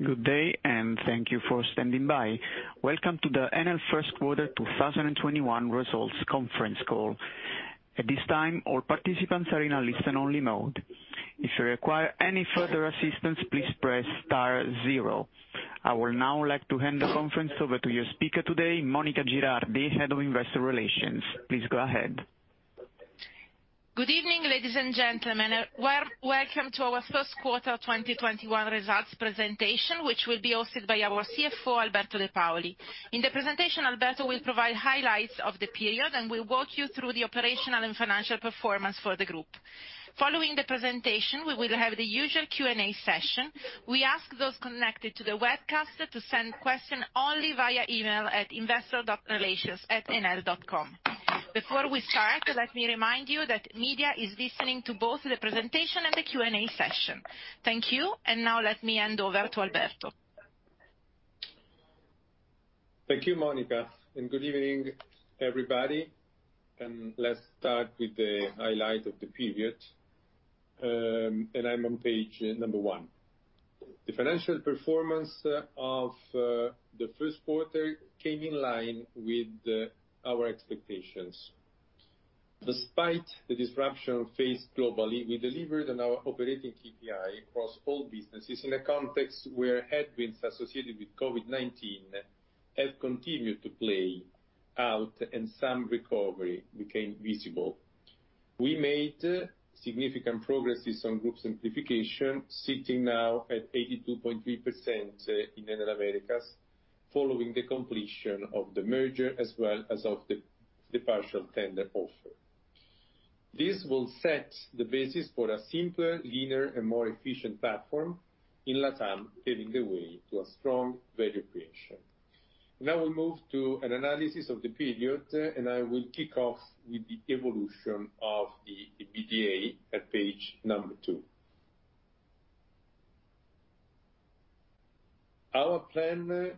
Good day, and thank you for standing by. Welcome to the Enel First Quarter 2021 Results Conference Call. At this time, all participants are in a listen-only mode. If you require any further assistance, please press star zero. I would now like to hand the conference over to your speaker today, Monica Girardi, Head of Investor Relations. Please go ahead. Good evening, ladies and gentlemen. Welcome to our first quarter 2021 results presentation, which will be hosted by our CFO, Alberto De Paoli. In the presentation, Alberto will provide highlights of the period and will walk you through the operational and financial performance for the group. Following the presentation, we will have the usual Q&A session. We ask those connected to the webcast to send questions only via email at investor.relations@enel.com. Before we start, let me remind you that media is listening to both the presentation and the Q&A session. Thank you, and now let me hand over to Alberto. Thank you, Monica. Good evening, everybody. Let's start with the highlight of the period, and I'm on page number one. The financial performance of the first quarter came in line with our expectations. Despite the disruption faced globally, we delivered on our operating KPI across all businesses in a context where headwinds associated with COVID-19 have continued to play out and some recovery became visible. We made significant progresses on group simplification, sitting now at 82.3% in Enel Américas, following the completion of the merger, as well as of the partial tender offer. This will set the basis for a simpler, leaner and more efficient platform in LATAM, paving the way to a strong value creation. Now we move to an analysis of the period, and I will kick off with the evolution of the EBITDA at page number two. Our plan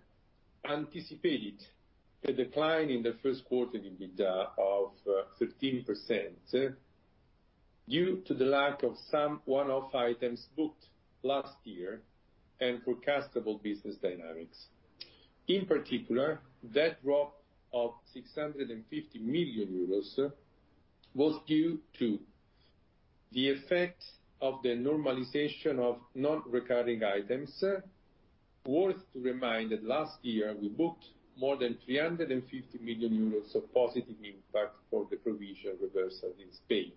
anticipated a decline in the first quarter in EBITDA of 13% due to the lack of some one-off items booked last year and forecastable business dynamics. In particular, that drop of 650 million euros was due to the effect of the normalization of non-recurring items. Worth to remind that last year, we booked more than 350 million euros of positive impact for the provision reversal in Spain.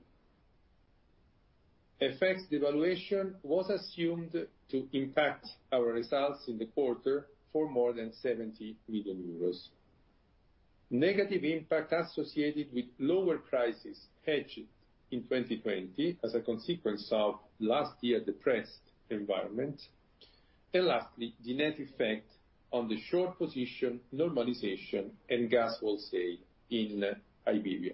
FX devaluation was assumed to impact our results in the quarter for more than 70 million euros. Negative impact associated with lower prices hedged in 2022 as a consequence of last year's depressed environment. Lastly, the net effect on the short position normalization and gas wholesale in Iberia.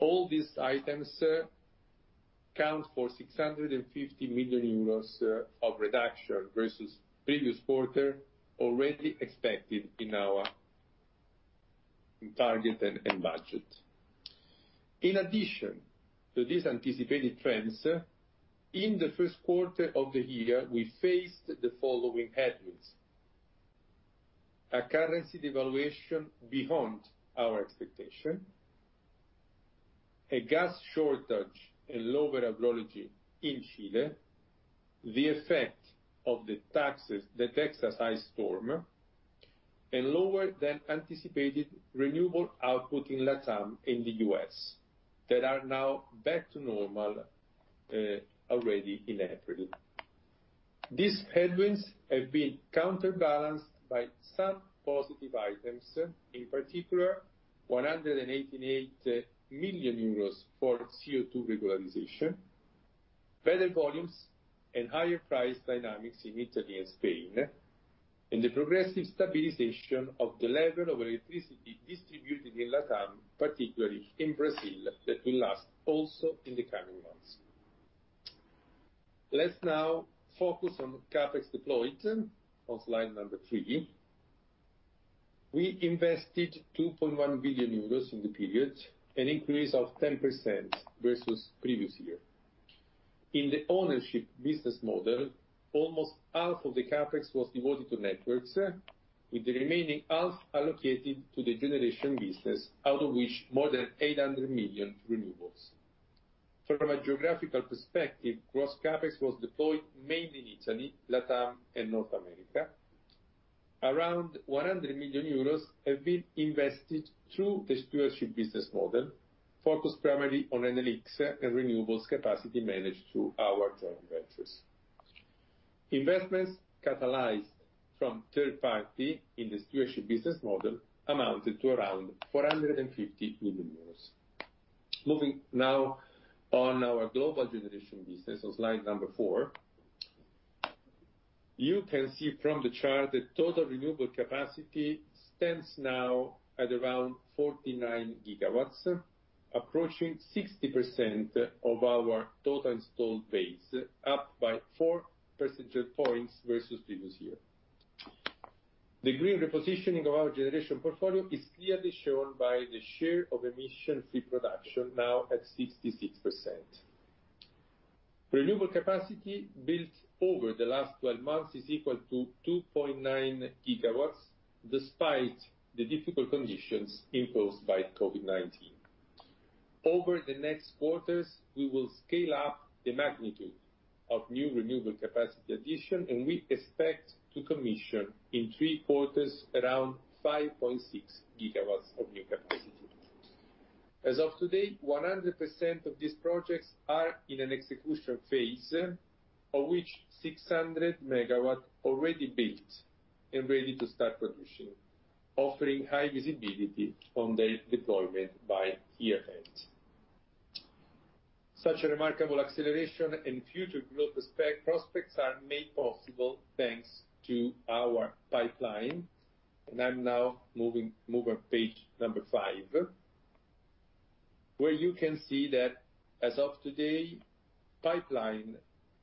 All these items count for 650 million euros of reduction versus the previous quarter, already expected in our target and budget. In addition to these anticipated trends, in the first quarter of the year, we faced the following headwinds: a currency devaluation beyond our expectation, a gas shortage and low hydrology in Chile, the effect of the Texas ice storm, and lower than anticipated renewable output in LATAM and the U.S. that are now back to normal already in April. These headwinds have been counterbalanced by some positive items, in particular 188 million euros for CO2 regularization, better volumes and higher price dynamics in Italy and Spain, and the progressive stabilization of the level of electricity distributed in LATAM, particularly in Brazil, that will last also in the coming months. Let's now focus on CapEx deployed on slide number three. We invested 2.1 billion euros in the period, an increase of 10% versus the previous year. In the ownership business model, almost half of the CapEx was devoted to networks, with the remaining half allocated to the generation business, out of which more than 800 million EUR renewables. From a geographical perspective, gross CapEx was deployed mainly in Italy, LATAM, and North America. Around 100 million euros have been invested through the stewardship business model, focused primarily on Enel X and renewables capacity managed through our joint ventures. Investments catalyzed from third party in the stewardship business model amounted to around 450 million euros. Moving now on our global generation business on slide number four. You can see from the chart that total renewable capacity stands now at around 49 GW, approaching 60% of our total installed base, up by four percentage points versus previous year. The green repositioning of our generation portfolio is clearly shown by the share of emission free production, now at 66%. Renewable capacity built over the last 12 months is equal to 2.9 GW, despite the difficult conditions imposed by COVID-19. Over the next quarters, we will scale up the magnitude of new renewable capacity addition, and we expect to commission in three quarters around 5.6 GW of new capacity. As of today, 100% of these projects are in an execution phase, of which 600 MW already built and ready to start producing, offering high visibility on the deployment by year end. Such a remarkable acceleration in future growth prospects are made possible, thanks to our pipeline. I'm now moving to page number five, where you can see that as of today, pipeline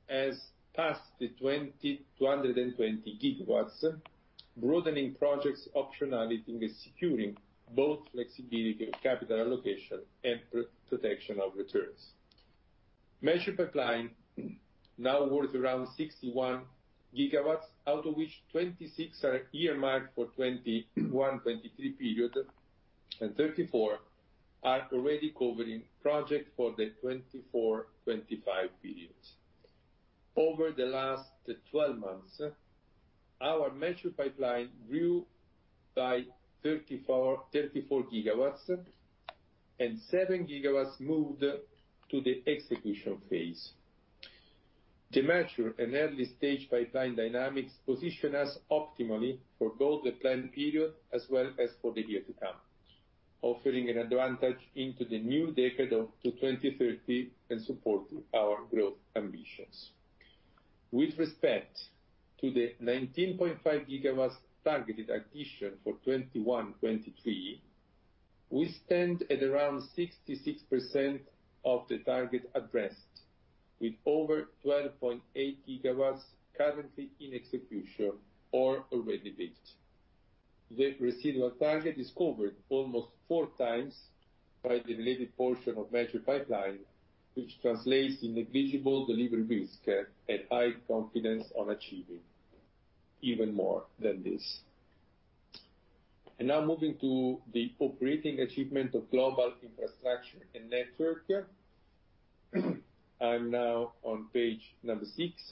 has passed the 220 GW, broadening projects optionality with securing both flexibility, capital allocation, and protection of returns. Mature pipeline now worth around 61 GW, out of which 26 are earmarked for 2021-2023 period, and 34 are already covering project for the 2024-2025 periods. Over the last 12 months, our measured pipeline grew by 34 GW, and seven GW moved to the execution phase. The mature and early stage pipeline dynamics position us optimally for both the planned period as well as for the year to come, offering an advantage into the new decade up to 2030 and supporting our growth ambitions. With respect to the 19.5 GW targeted addition for 2021-2023, we stand at around 66% of the target addressed, with over 12.8 GW currently in execution or already built. The residual target is covered almost four times by the related portion of measured pipeline, which translates in negligible delivery risk and high confidence on achieving even more than this. Now moving to the operating achievement of global infrastructure and network. I'm now on page number six.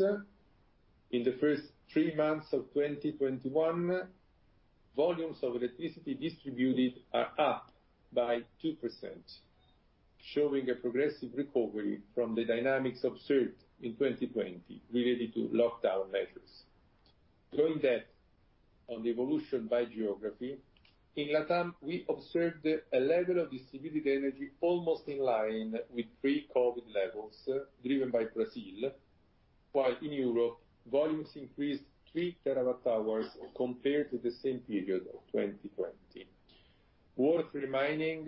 In the first three months of 2021, volumes of electricity distributed are up by 2%, showing a progressive recovery from the dynamics observed in 2020 related to lockdown measures. Going depth on the evolution by geography, in LATAM, we observed a level of distributed energy almost in line with pre-COVID levels, driven by Brazil, while in Europe, volumes increased three TW-hours compared to the same period of 2020. Worth reminding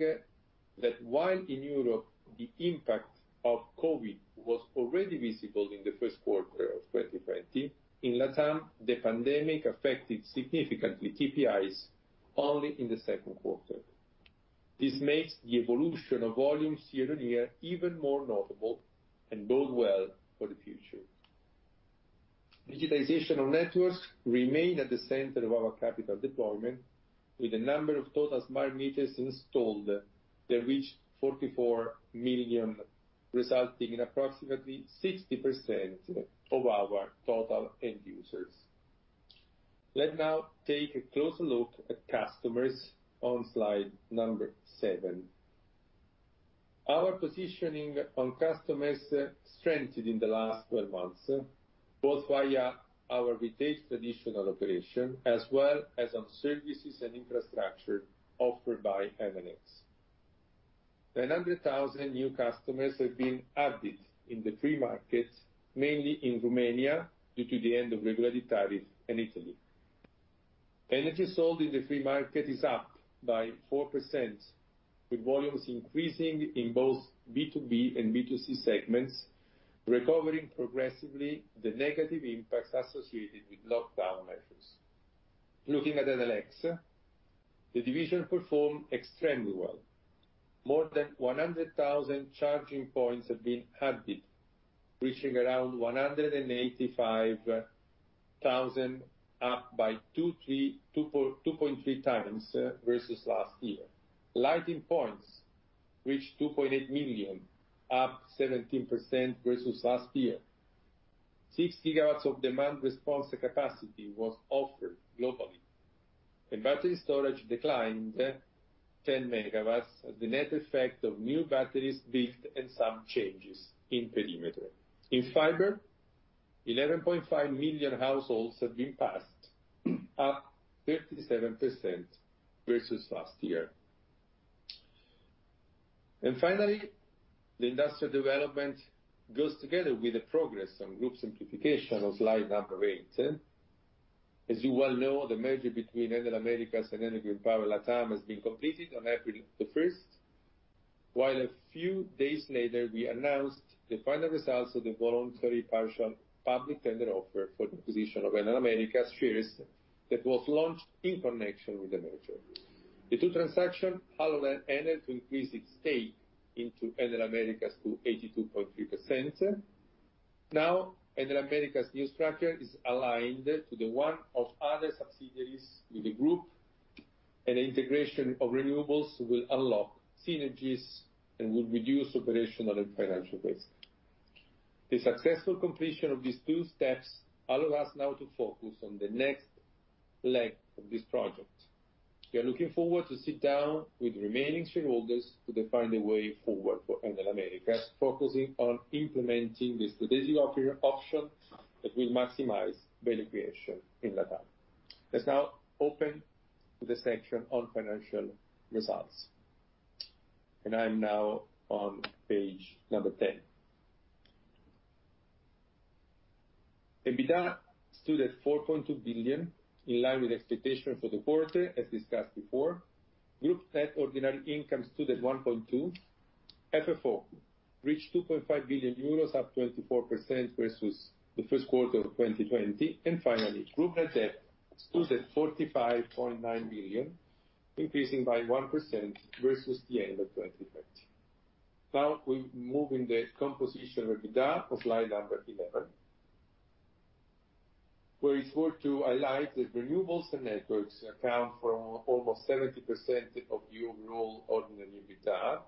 that while in Europe, the impact of COVID was already visible in the first quarter of 2020, in LATAM, the pandemic affected significantly KPIs only in the second quarter. This makes the evolution of volumes year-on-year even more notable and bode well for the future. Digitization of networks remain at the center of our capital deployment, with the number of total smart meters installed that reach 44 million, resulting in approximately 60% of our total end users. Let now take a closer look at customers on slide number seven. Our positioning on customers strengthened in the last 12 months, both via our retail traditional operation, as well as on services and infrastructure offered by Enel X. 900,000 new customers have been added in the free market, mainly in Romania, due to the end of regulatory tariff in Italy. Energy sold in the free market is up by 4%, with volumes increasing in both B2B and B2C segments, recovering progressively the negative impacts associated with lockdown measures. Looking at Enel X, the division performed extremely well. More than 100,000 charging points have been added, reaching around 185,000, up by 2.3x versus last year. Lighting points reached 2.8 million, up 17% versus last year. Battery storage declined 10 MW as the net effect of new batteries built and some changes in perimeter. In fiber, 11.5 million households have been passed, up 37% versus last year. Finally, the industrial development goes together with the progress on group simplification on slide number eight. As you well know, the merger between Enel Américas and Enel Green Power Americas has been completed on April 1st. While a few days later, we announced the final results of the voluntary partial public tender offer for the acquisition of Enel Américas shares that was launched in connection with the merger. The two transactions allow Enel to increase its stake into Enel Américas to 82.3%. Enel Américas' new structure is aligned to the one of other subsidiaries with the group. Integration of renewables will unlock synergies and will reduce operational and financial risk. The successful completion of these two steps allow us now to focus on the next leg of this project. We are looking forward to sit down with remaining shareholders to define the way forward for Enel Américas, focusing on implementing the strategic options that will maximize value creation in LATAM. Let's now open to the section on financial results. I am now on page number 10. EBITDA stood at 4.2 billion, in line with expectation for the quarter, as discussed before. Group net ordinary income stood at 1.2. FFO reached 2.5 billion euros, up 24% versus the first quarter of 2020. Finally, group net debt stood at 45.9 billion, increasing by 1% versus the end of 2020. We move in the composition of EBITDA on slide number 11, where it's worth to highlight that renewables and networks account for almost 70% of the overall ordinary EBITDA.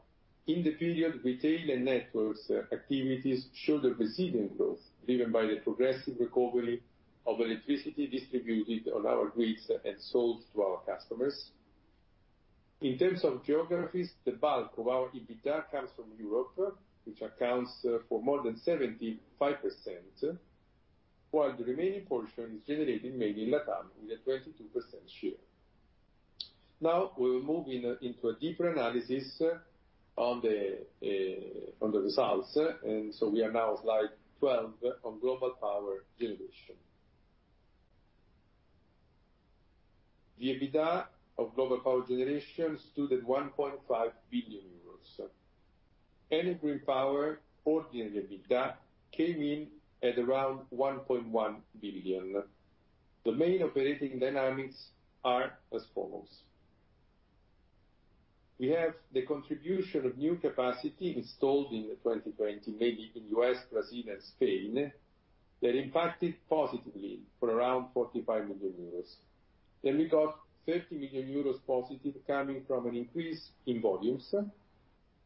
In the period, retail and networks activities showed a resilient growth, driven by the progressive recovery of electricity distributed on our grids and sold to our customers. In terms of geographies, the bulk of our EBITDA comes from Europe, which accounts for more than 75%, while the remaining portion is generated mainly in LATAM, with a 22% share. We will move into a deeper analysis on the results. We are now on slide 12 on Global Power Generation. The EBITDA of Global Power Generation stood at 1.5 billion euros. Enel Green Power ordinary EBITDA came in at around 1.1 billion. The main operating dynamics are as follows. We have the contribution of new capacity installed in 2020, mainly in U.S., Brazil, and Spain, that impacted positively for around 45 million euros. We got 30 million euros positive coming from an increase in volumes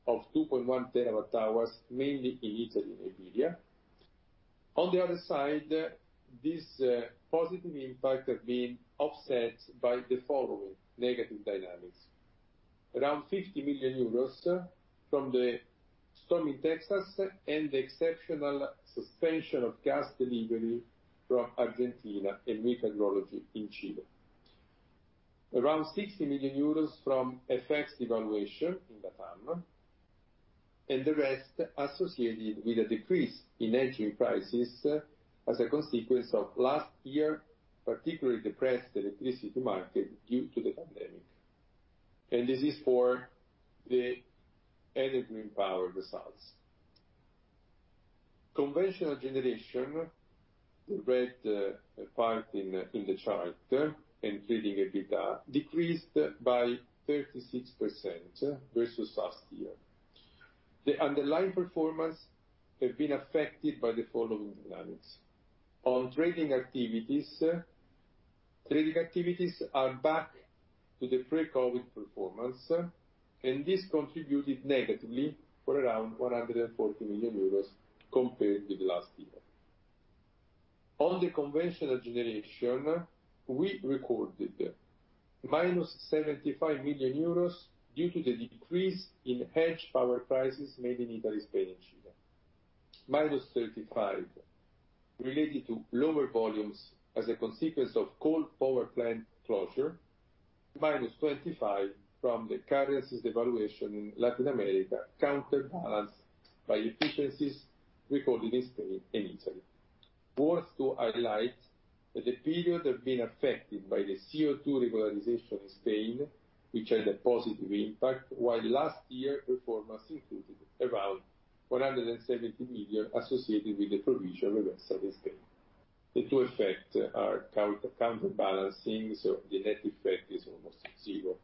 of 2.1 TW hours, mainly in Italy and Iberia. On the other side, this positive impact has been offset by the following negative dynamics. Around 50 million euros from the storm in Texas and the exceptional suspension of gas delivery from Argentina and Enel Green Power in Chile. Around 60 million euros from FX devaluation in LATAM, and the rest associated with a decrease in energy prices as a consequence of last year, particularly depressed electricity market due to the pandemic. This is for the Enel Green Power results. Conventional generation, the red part in the chart, including EBITDA, decreased by 36% versus last year. The underlying performance has been affected by the following dynamics. Trading activities are back to the pre-COVID performance. This contributed negatively for around 140 million euros compared with last year. On the conventional generation, we recorded minus 75 million euros due to the decrease in hedged power prices, mainly in Italy, Spain, and Chile. Minus 35 million related to lower volumes as a consequence of coal power plant closure. Minus 25 million from the currencies devaluation in Latin America, counterbalanced by efficiencies recorded in Spain and Italy. Worth to highlight that the period has been affected by the CO2 regularization in Spain, which had a positive impact, while last year, performance included around 170 million associated with the provision reversal in Spain. The two effect are counterbalancing. The net effect is almost zero.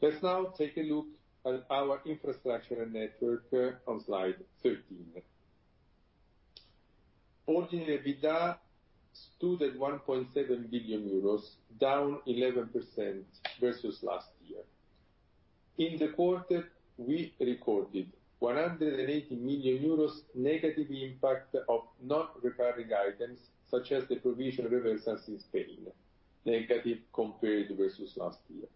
Let's now take a look at our infrastructure and network on slide 13. Ordinary EBITDA stood at 1.7 billion euros, down 11% versus last year. In the quarter, we recorded 180 million euros negative impact of non-recurring items, such as the provision reversals in Spain, negative compared versus last year.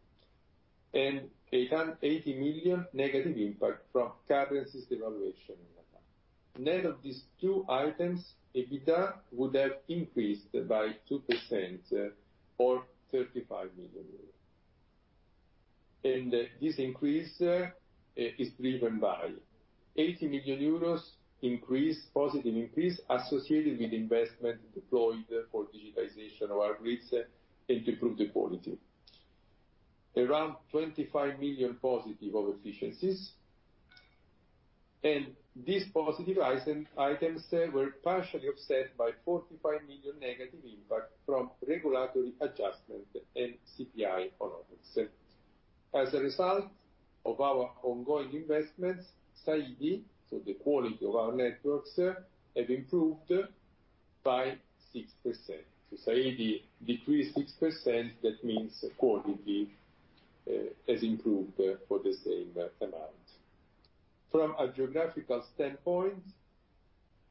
A 180 million negative impact from currencies devaluation in LATAM. Net of these two items, EBITDA would have increased by 2% or 35 million euros. This increase is driven by 80 million euros positive increase associated with investment deployed for digitization of our grids and to improve the quality. Around 25 million positive of efficiencies. These positive items were partially offset by 45 million negative impact from regulatory adjustment and CPI on others. As a result of our ongoing investments, SAIDI, so the quality of our networks, have improved by 6%. SAIDI decreased 6%, that means quality has improved for the same amount. From a geographical standpoint,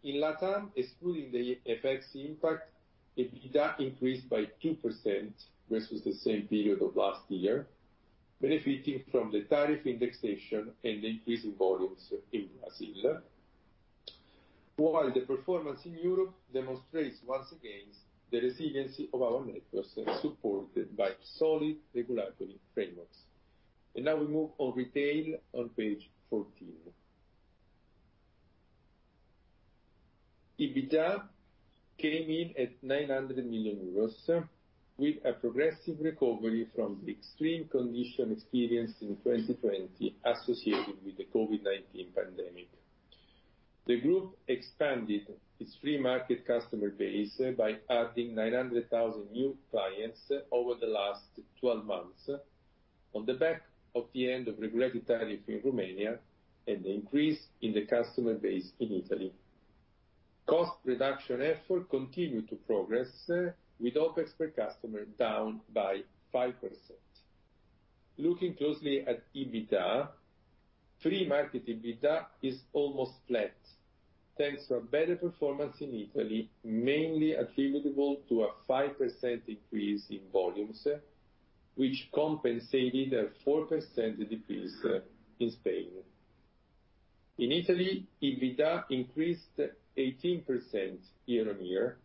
in LATAM, excluding the FX impact, EBITDA increased by 2% versus the same period of last year, benefiting from the tariff indexation and the increase in volumes in Brazil. While the performance in Europe demonstrates once again the resiliency of our networks supported by solid regulatory frameworks. Now we move on retail on page 14. EBITDA came in at 900 million euros with a progressive recovery from the extreme condition experienced in 2020 associated with the COVID-19 pandemic. The group expanded its free market customer base by adding 900,000 new clients over the last 12 months on the back of the end of regulatory tariff in Romania and the increase in the customer base in Italy. Cost reduction effort continued to progress with OPEX per customer down by 5%. Looking closely at EBITDA, free market EBITDA is almost flat, thanks to a better performance in Italy, mainly attributable to a 5% increase in volumes, which compensated a 4% decrease in Spain. In Italy, EBITDA increased 18% year-on-year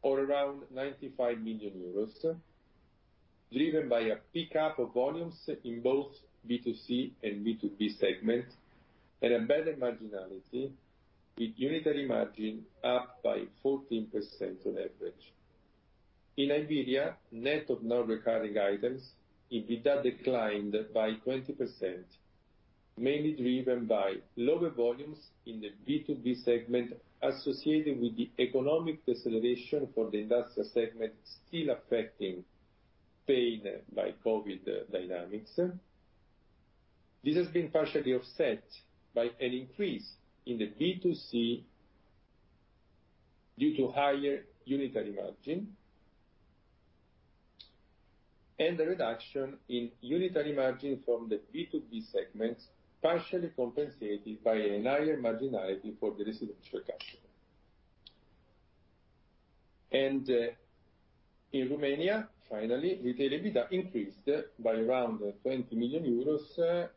or around 95 million euros, driven by a pickup of volumes in both B2C and B2B segment and a better marginality with unitary margin up by 14% on average. In Iberia, net of non-recurring items, EBITDA declined by 20%, mainly driven by lower volumes in the B2B segment associated with the economic deceleration for the industrial segment still affecting Spain by COVID dynamics. This has been partially offset by an increase in the B2C due to higher unitary margin, and the reduction in unitary margin from the B2B segments partially compensated by a higher marginality for the residential customer. In Romania, finally, retail EBITDA increased by around 20 million euros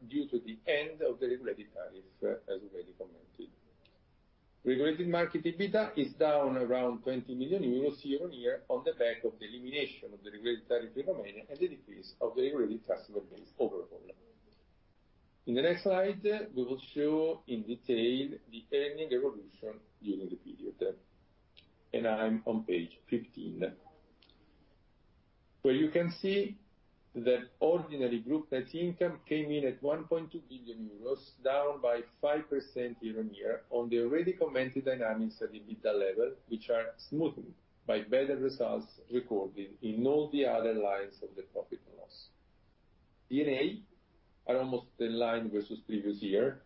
due to the end of the regulatory tariff, as already commented. Regulated market EBITDA is down around 20 million euros year-on-year on the back of the elimination of the regulatory tariff in Romania and the decrease of the regulatory customer base overall. In the next slide, we will show in detail the earnings evolution during the period. I'm on page 15, where you can see that ordinary group net income came in at 1.2 billion euros, down by 5% year-on-year on the already commented dynamics at EBITDA level, which are smoothed by better results recorded in all the other lines of the profit and loss. D&A are almost in line versus previous year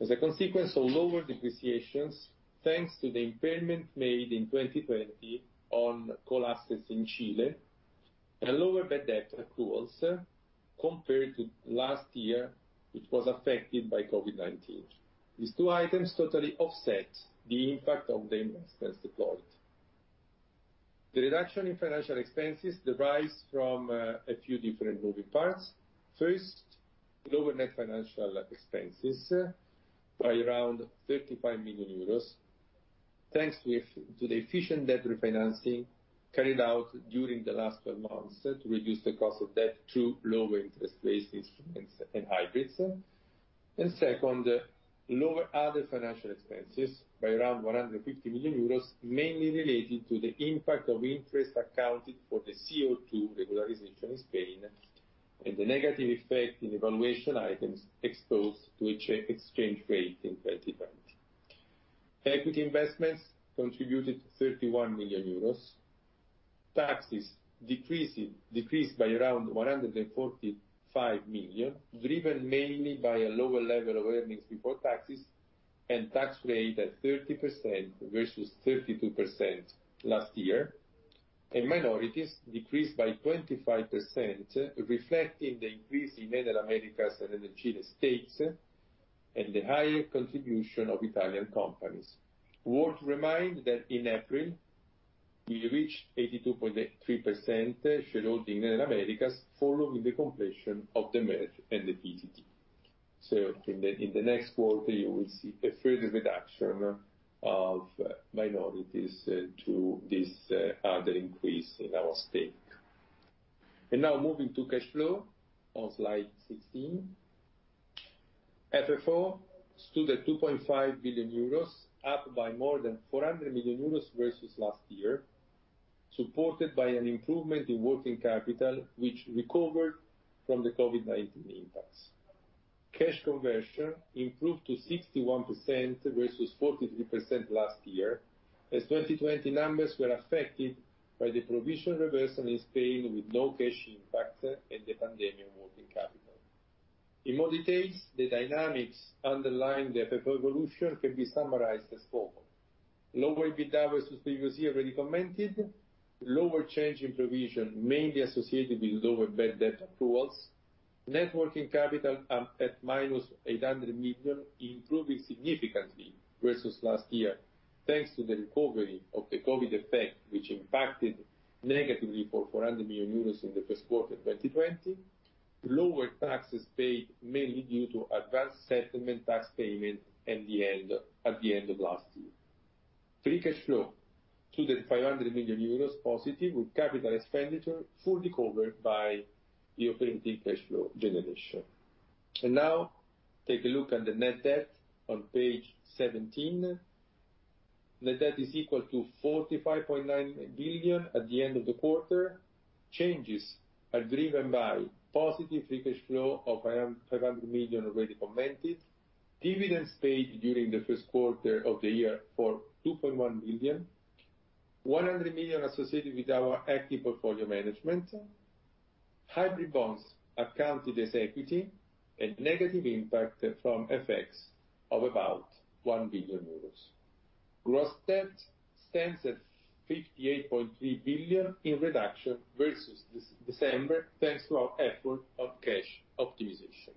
as a consequence of lower depreciations thanks to the impairment made in 2020 on coal assets in Chile and lower bad debt accruals compared to last year, which was affected by COVID-19. These two items totally offset the impact of the investments deployed. The reduction in financial expenses derives from a few different moving parts. First, lower net financial expenses by around 35 million euros thanks to the efficient debt refinancing carried out during the last 12 months to reduce the cost of debt through lower interest rates, instruments, and hybrids. Second, lower other financial expenses by around 150 million euros, mainly related to the impact of interest accounted for the CO2 regularization in Spain and the negative effect in evaluation items exposed to exchange rate in 2020. Equity investments contributed 31 million euros. Taxes decreased by around 145 million, driven mainly by a lower level of earnings before taxes and tax rate at 30% versus 32% last year. Minorities decreased by 25%, reflecting the increase in Enel Américas and Enel Chile stakes and the higher contribution of Italian companies. Worth remind that in April, we reached 82.3% shareholding in Enel Américas following the completion of the merger and the PTO. In the next quarter, you will see a further reduction of minorities to this other increase in our stake. Now moving to cash flow on slide 16. FFO stood at 2.5 billion euros, up by more than 400 million euros versus last year, supported by an improvement in working capital, which recovered from the COVID-19 impact. Cash conversion improved to 61% versus 43% last year, as 2020 numbers were affected by the provision reversal in Spain with no cash impact and the pandemic working capital. In more details, the dynamics underlying the FFO evolution can be summarized as follows. Lower EBITDA versus previous year, already commented. Lower change in provision, mainly associated with lower bad debt accruals. Net working capital at minus 800 million, improving significantly versus last year, thanks to the recovery of the COVID effect, which impacted negatively for 400 million in the first quarter 2020. Lower taxes paid mainly due to advanced settlement tax payment at the end of last year. Free cash flow to the 500 million euros positive, with capital expenditure fully covered by the operating cash flow generation. Now take a look at the net debt on page 17. Net debt is equal to 45.9 billion at the end of the quarter. Changes are driven by positive free cash flow of 500 million, already commented. Dividends paid during the first quarter of the year for 2.1 billion. 100 million associated with our active portfolio management. Hybrid bonds accounted as equity and negative impact from FX of about 1 billion euros. Gross debt stands at 58.3 billion in reduction versus December, thanks to our effort of cash optimization.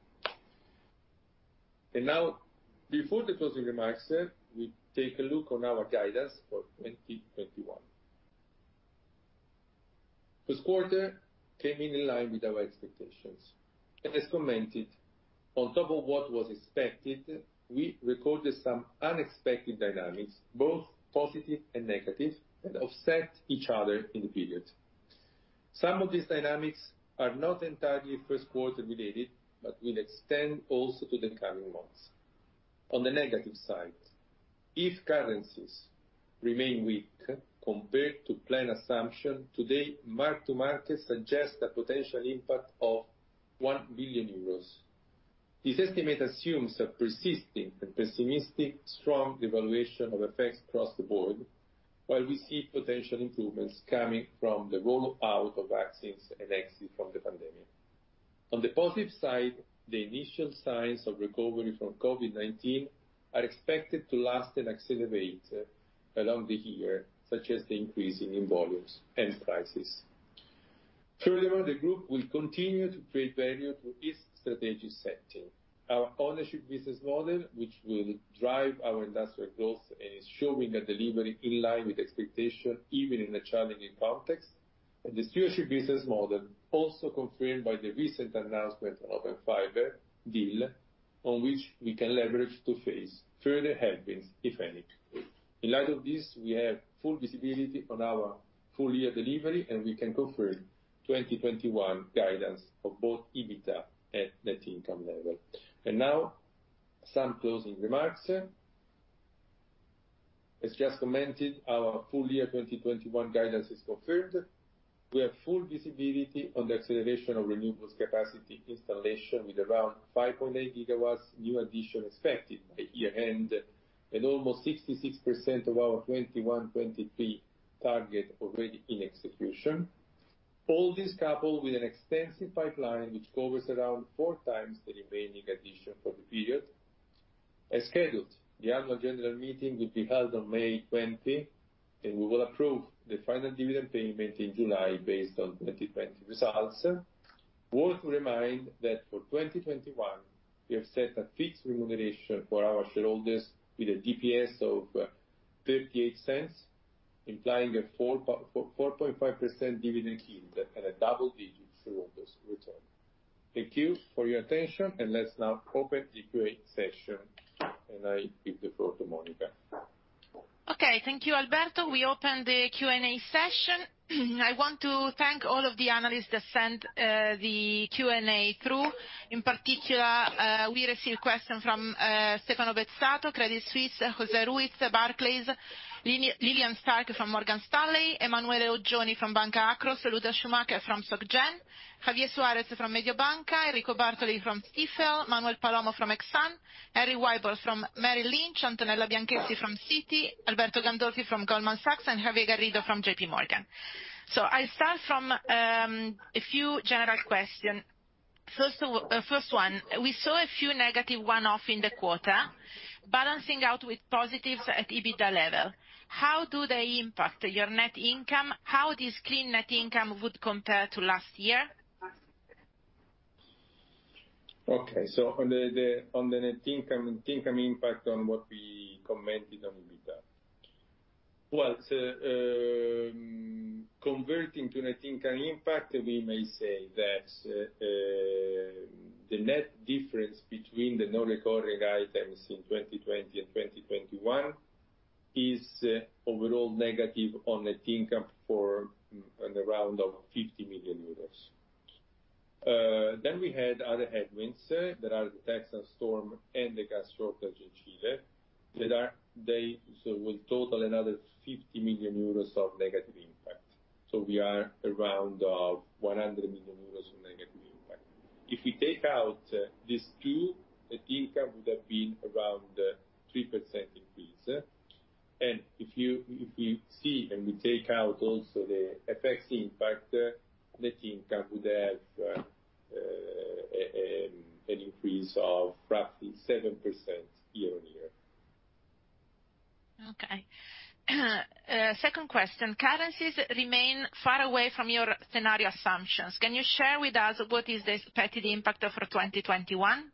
Now, before the closing remarks, we take a look on our guidance for 2021. First quarter came in in line with our expectations. As commented, on top of what was expected, we recorded some unexpected dynamics, both positive and negative, that offset each other in the period. Some of these dynamics are not entirely first quarter related, but will extend also to the coming months. On the negative side, if currencies remain weak compared to plan assumption, today mark to market suggests a potential impact of 1 billion euros. This estimate assumes a persisting and pessimistic strong devaluation of effects across the board, while we see potential improvements coming from the roll out of vaccines and exit from the pandemic. On the positive side, the initial signs of recovery from COVID-19 are expected to last and accelerate along the year, such as the increase in volumes and prices. The group will continue to create value through this strategic setting. Our ownership business model, which will drive our industrial growth and is showing a delivery in line with expectation, even in a challenging context. The stewardship business model also confirmed by the recent announcement of Open Fiber deal on which we can leverage to face further headwinds, if any. In light of this, we have full visibility on our full-year delivery, and we can confirm 2021 guidance of both EBITDA at net income level. Now, some closing remarks. As just commented, our full-year 2021 guidance is confirmed. We have full visibility on the acceleration of renewables capacity installation with around 5.8 GW new addition expected by year-end, and almost 66% of our 2021-2023 target already in execution. All this coupled with an extensive pipeline, which covers around four times the remaining addition for the period. As scheduled, the annual general meeting will be held on May 20, and we will approve the final dividend payment in July based on 2020 results. Worth to remind that for 2021, we have set a fixed remuneration for our shareholders with a DPS of 0.38, implying a 4.5% dividend yield and a double-digit shareholders return. Thank you for your attention, let's now open the Q&A session. I give the floor to Monica. Okay, thank you, Alberto. We open the Q&A session. I want to thank all of the analysts that sent the Q&A through. In particular, we receive question from Stefano Bezzato, Credit Suisse, Jose Ruiz, Barclays, Lillian Starke from Morgan Stanley, Emanuele Oggioni from Banca Akros, Lueder Schumacher from Societe Generale, Javier Suárez from Mediobanca, Enrico Bartoli from IFM, Manuel Palomo from Exane, Harry Wyburd from Merrill Lynch, Antonella Bianchessi from Citigroup, Alberto Gandolfi from Goldman Sachs, and Javier Garrido from JPMorgan. I start from a few general question. First one, we saw a few negative one-off in the quarter, balancing out with positives at EBITDA level. How do they impact your net income? How this clean net income would compare to last year? Okay. On the net income impact on what we commented on EBITDA. Converting to net income impact, we may say that the net difference between the non-recurring items in 2020 and 2021 is overall negative on net income for around 50 million euros. We had other headwinds that are the Texas storm and the gas shortage in Chile. They will total another 50 million euros of negative impact. We are around 100 million euros of negative impact. If we take out these two, net income would have been around 3% increase. If you see, and we take out also the FX impact, net income would have an increase of roughly 7% year-on-year. Second question. Currencies remain far away from your scenario assumptions. Can you share with us what is the expected impact for 2021?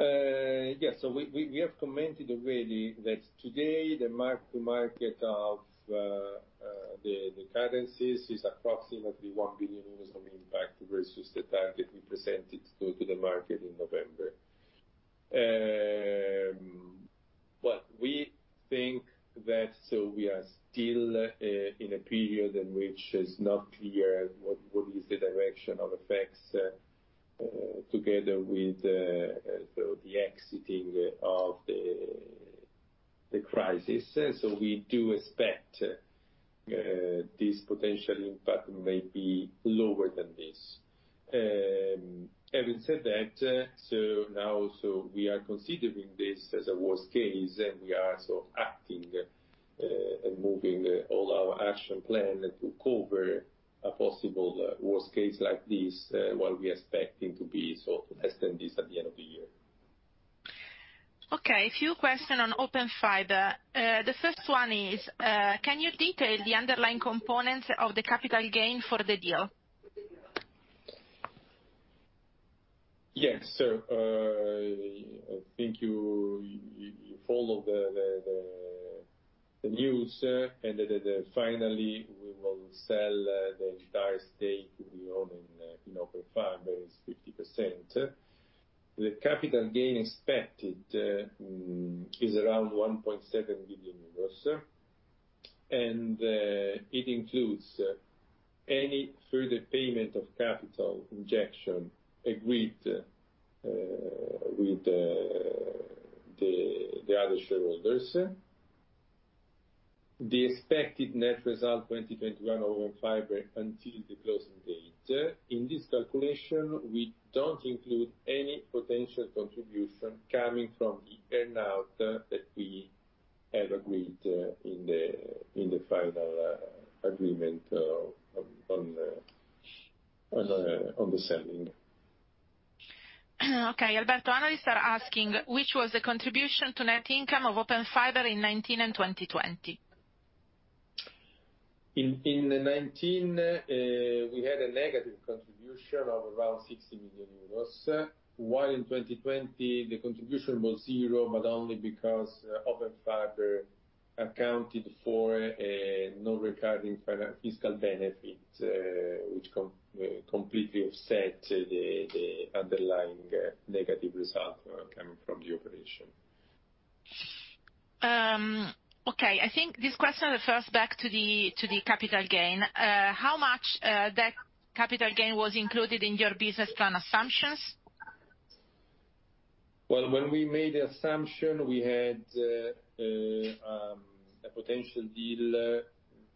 Yes. We have commented already that today the mark to market of the currencies is approximately 1 billion euros of impact versus the target we presented to the market in November. Well, we think that we are still in a period in which it's not clear what is the direction of effects together with the exiting of the crisis. We do expect this potential impact may be lower than this. Having said that, now we are considering this as a worst case, and we are acting and moving all our action plan to cover a possible worst case like this, while we are expecting to less than this at the end of the year. Okay. A few question on Open Fiber. The first one is, can you detail the underlying components of the capital gain for the deal? I think you followed the news and that finally we will sell the entire stake we own in Open Fiber, is 50%. The capital gain expected is around 1.7 billion euros, and it includes any further payment of capital injection agreed with the other shareholders. The expected net result 2021 of Open Fiber until the closing date. In this calculation, we don't include any potential contribution coming from the earn-out that we have agreed in the final agreement on the selling. Okay, Alberto, analysts are asking, which was the contribution to net income of Open Fiber in 2019 and 2020? In 2019, we had a negative contribution of around 60 million euros, while in 2020, the contribution was zero, only because Open Fiber accounted for a non-recurring fiscal benefit, which completely offset the underlying negative result coming from the operation. Okay. I think this question refers back to the capital gain. How much of that capital gain was included in your business plan assumptions? Well, when we made the assumption, we had a potential deal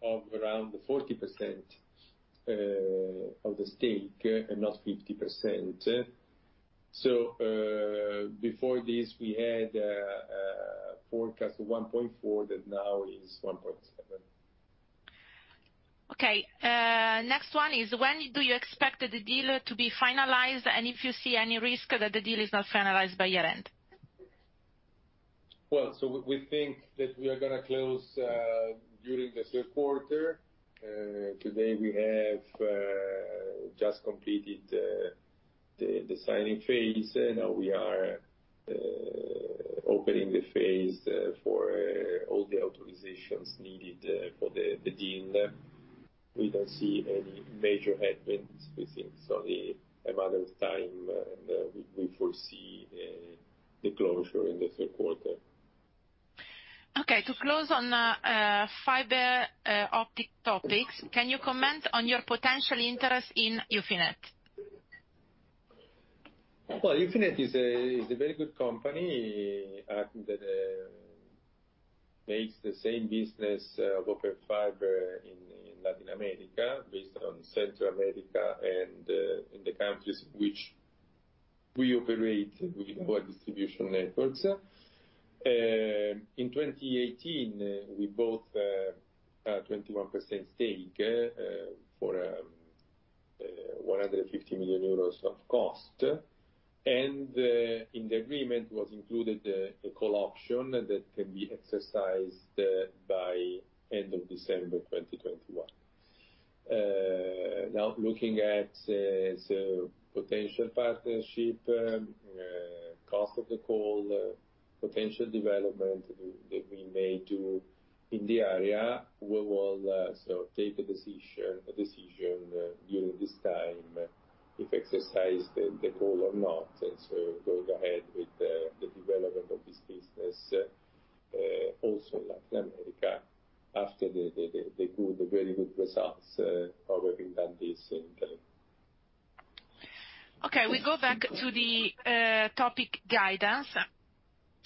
of around 40% of the stake and not 50%. Before this, we had a forecast of 1.4 that now is 1.7. Okay. Next one is, when do you expect the deal to be finalized? If you see any risk that the deal is not finalized by year-end? We think that we are going to close during the third quarter. Today we have just completed the signing phase. We are opening the phase for all the authorizations needed for the deal. We don't see any major headwinds. We think it's only a matter of time. We foresee the closure in the third quarter. Okay. To close on fiber optic topics, can you comment on your potential interest in Ufinet? Well, Ufinet is a very good company that makes the same business of Open Fiber in Latin America, based on Central America and in the countries which we operate with our distribution networks. In 2018, we bought a 21% stake for 150 million euros of cost, and in the agreement was included a call option that can be exercised by end of December 2021. Now, looking at potential partnership, cost of the call, potential development that we may do in the area, we will take a decision during this time, if exercise the call or not, and so going ahead with the development of this business also in Latin America after the very good results of having done this in Italy. We go back to the topic guidance.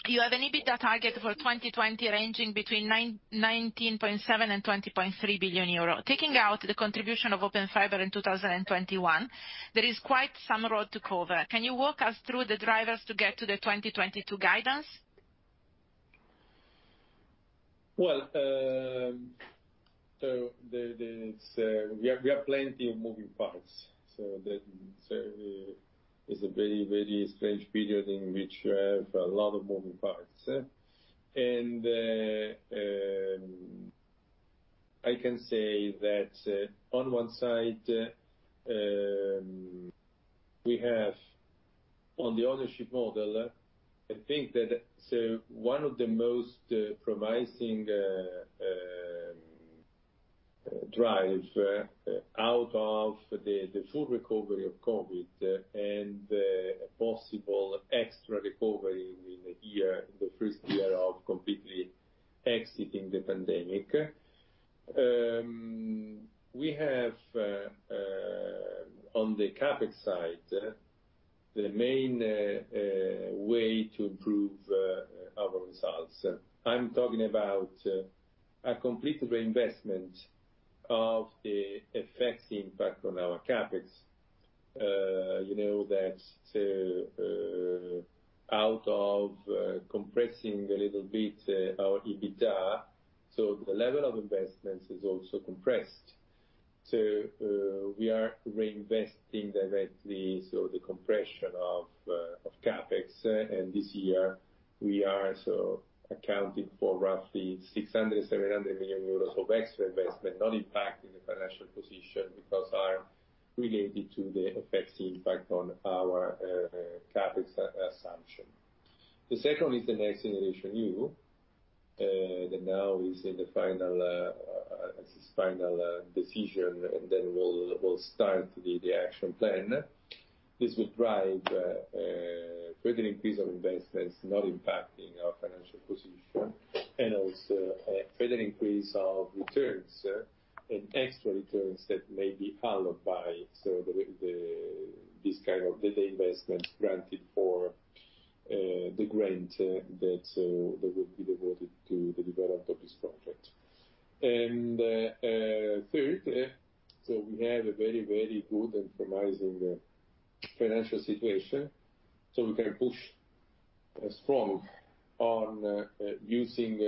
You have an EBITDA target for 2020 ranging between 19.7 billion and 20.3 billion euro. Taking out the contribution of Open Fiber in 2021, there is quite some road to cover. Can you walk us through the drivers to get to the 2022 guidance? Well, we have plenty of moving parts. It's a very strange period in which we have a lot of moving parts. I can say that on one side, we have on the ownership model, I think that one of the most promising drive out of the full recovery of COVID-19 and possible extra recovery in the first year of completely exiting the pandemic. We have, on the CapEx side, the main way to improve our results. I'm talking about a complete reinvestment of the FX impact on our CapEx. You know that out of compressing a little bit our EBITDA, the level of investments is also compressed. We are reinvesting directly, the compression of CapEx, this year we are accounting for roughly 600 million, 700 million euros of extra investment, not impacting the financial position because are related to the FX impact on our CapEx assumption. The second is the NextGenerationEU, that now is in the final decision, and then we'll start the action plan. This will drive a further increase of investments, not impacting our financial position, and also a further increase of returns and extra returns that may be followed by this kind of the investment granted for the grant that would be devoted to the development of this project. Thirdly, we have a very good and promising financial situation. We can push strong on using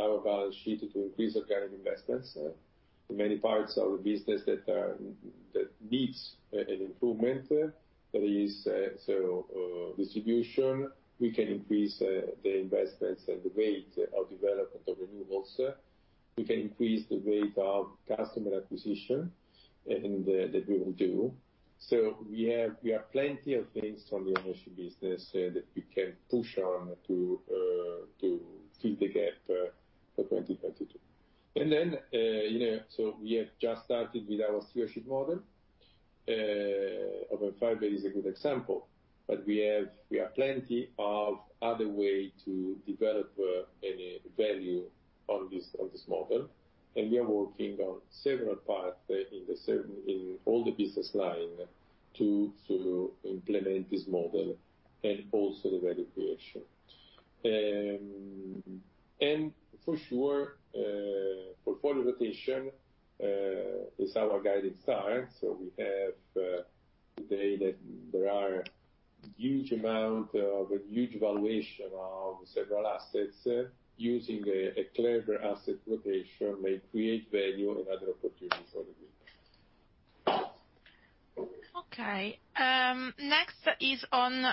our balance sheet to increase organic investments in many parts of the business that needs an improvement. That is distribution. We can increase the investments and the weight of development of renewables. We can increase the weight of customer acquisition, and that we will do. We have plenty of things from the energy business that we can push on to fill the gap for 2022. We have just started with our stewardship model. Open Fiber is a good example, but we have plenty of other way to develop any value of this model. We are working on several parts in all the business line to implement this model and also the value creation. For sure, portfolio rotation is our guided start. We have today that there are huge amount of huge valuation of several assets. Using a clever asset rotation may create value and other opportunities for the group. Okay. Next is on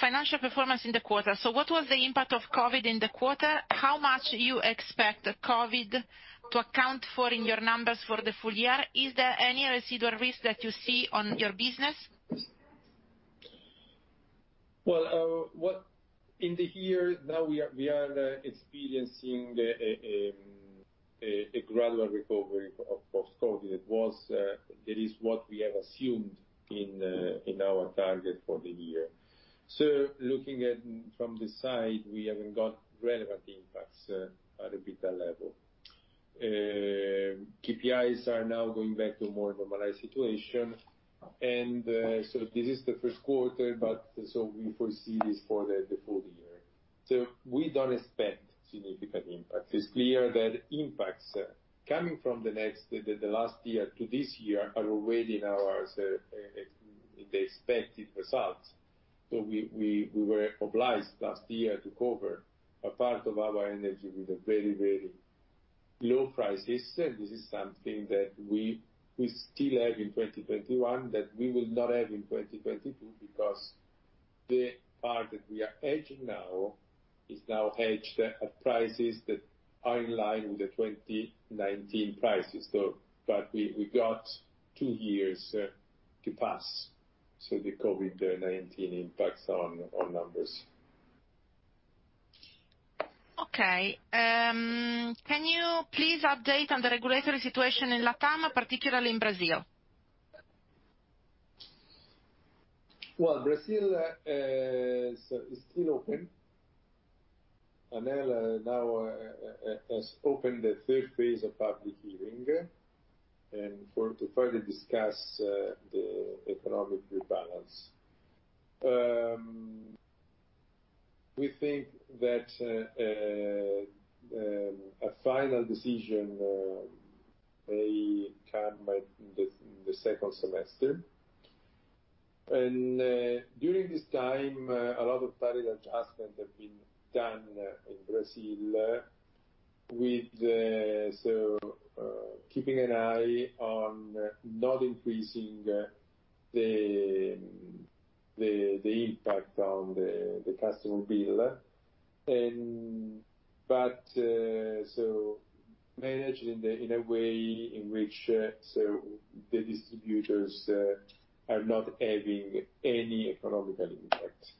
financial performance in the quarter. What was the impact of COVID in the quarter? How much you expect COVID to account for in your numbers for the full-year? Is there any residual risk that you see on your business? In the year now, we are experiencing a gradual recovery of post-COVID-19. It is what we have assumed in our target for the year. Looking at from this side, we haven't got relevant impacts at EBITDA level. KPIs are now going back to a more normalized situation. This is the first quarter, but we foresee this for the full-year. We don't expect significant impact. It's clear that impacts coming from the last year to this year are already in the expected results. We were obliged last year to cover a part of our energy with a very low price. This is something that we still have in 2021, that we will not have in 2022. The part that we are hedging now is now hedged at prices that are in line with the 2019 prices, but we got two years to pass. The COVID-19 impacts our numbers. Okay. Can you please update on the regulatory situation in LATAM, particularly in Brazil? Well, Brazil is still open. Enel now has opened the third phase of public hearing, to further discuss the economic rebalance. We think that a final decision may come by the second semester. During this time, a lot of tariff adjustments have been done in Brazil, keeping an eye on not increasing the impact on the customer bill. Managed in a way in which the distributors are not having any economical impact.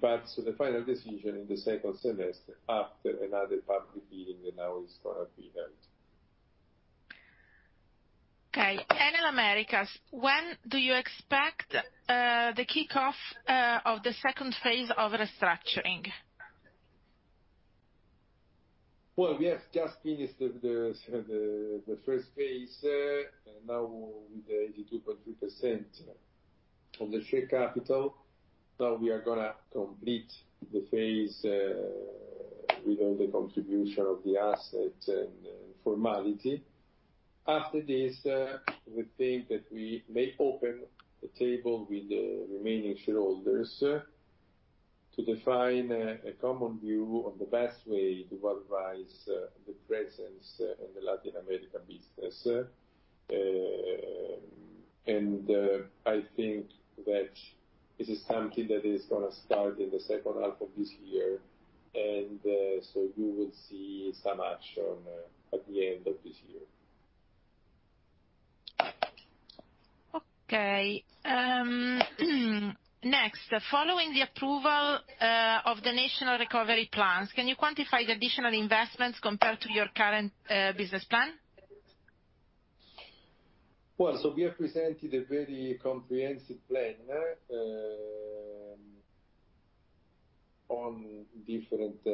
The final decision in the second semester, after another public hearing that now is going to be held. Okay. Enel Américas, when do you expect the kickoff of the second phase of restructuring? Well, we have just finished the first phase. Now with the 82.3% of the share capital, now we are going to complete the phase with all the contribution of the assets and formality. After this, we think that we may open the table with the remaining shareholders to define a common view on the best way to valorize the presence in the Latin American business. I think that this is something that is going to start in the second half of this year. You will see some action at the end of this year. Okay. Next, following the approval of the national recovery plans, can you quantify the additional investments compared to your current business plan? We have presented a very comprehensive plan, on different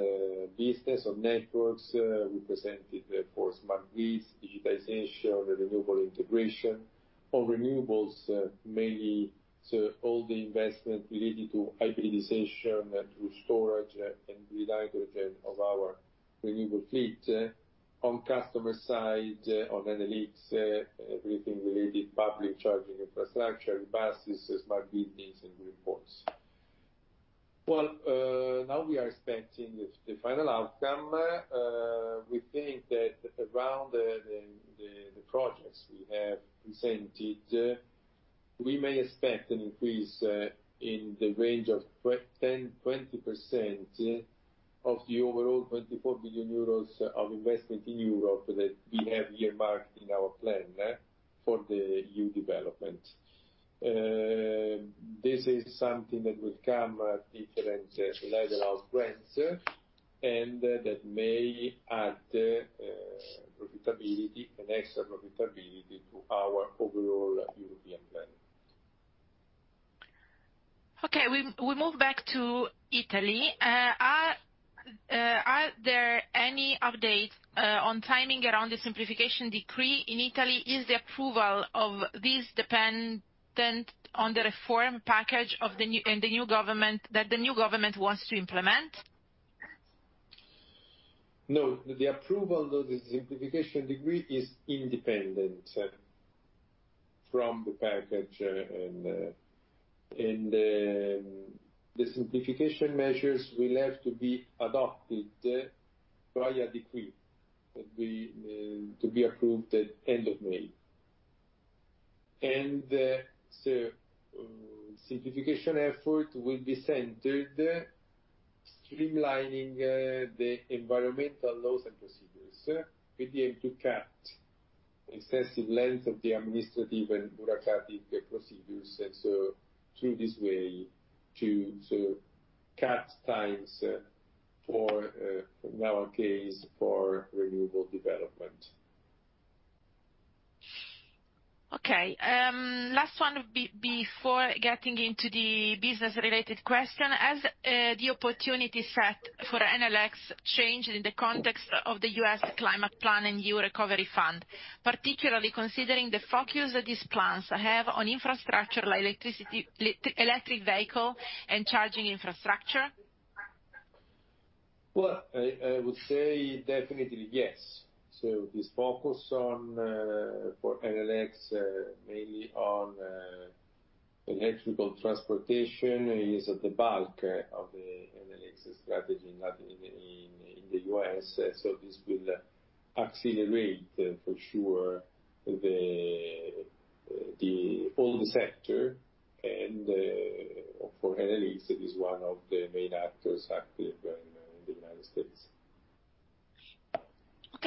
business, on networks. We presented for Smart Grids, digitization, renewable integration. On renewables, mainly all the investment related to hybridization, through storage and green hydrogen of our renewable fleet. On customer side, on Enel X, everything related public charging infrastructure, buses, smart buildings and grid ports. Now we are expecting the final outcome. We think that around the projects we have presented, we may expect an increase in the range of 10%-20% of the overall 24 billion euros of investment in Europe that we have earmarked in our plan for the new development. This is something that will come at different level of grants, that may add profitability, an extra profitability to our overall European plan. Okay, we move back to Italy. Are there any updates on timing around the simplification decree in Italy? Is the approval of this dependent on the reform package that the new government wants to implement? No, the approval of the simplification decree is independent from the package. The simplification measures will have to be adopted via decree, to be approved at end of May. The simplification effort will be centered streamlining the environmental laws and procedures, with the aim to cut excessive length of the administrative and bureaucratic procedures, and so through this way to cut times for, in our case, for renewable development. Okay. Last one before getting into the business-related question. Has the opportunity set for Enel X changed in the context of the U.S. climate plan and EU recovery fund, particularly considering the focus that these plans have on infrastructure like electric vehicle and charging infrastructure? Well, I would say definitely yes. This focus for Enel X, mainly on electrical transportation, is at the bulk of the Enel X strategy in the U.S. This will accelerate for sure all the sector and for Enel it is one of the main actors active in the United States. Okay,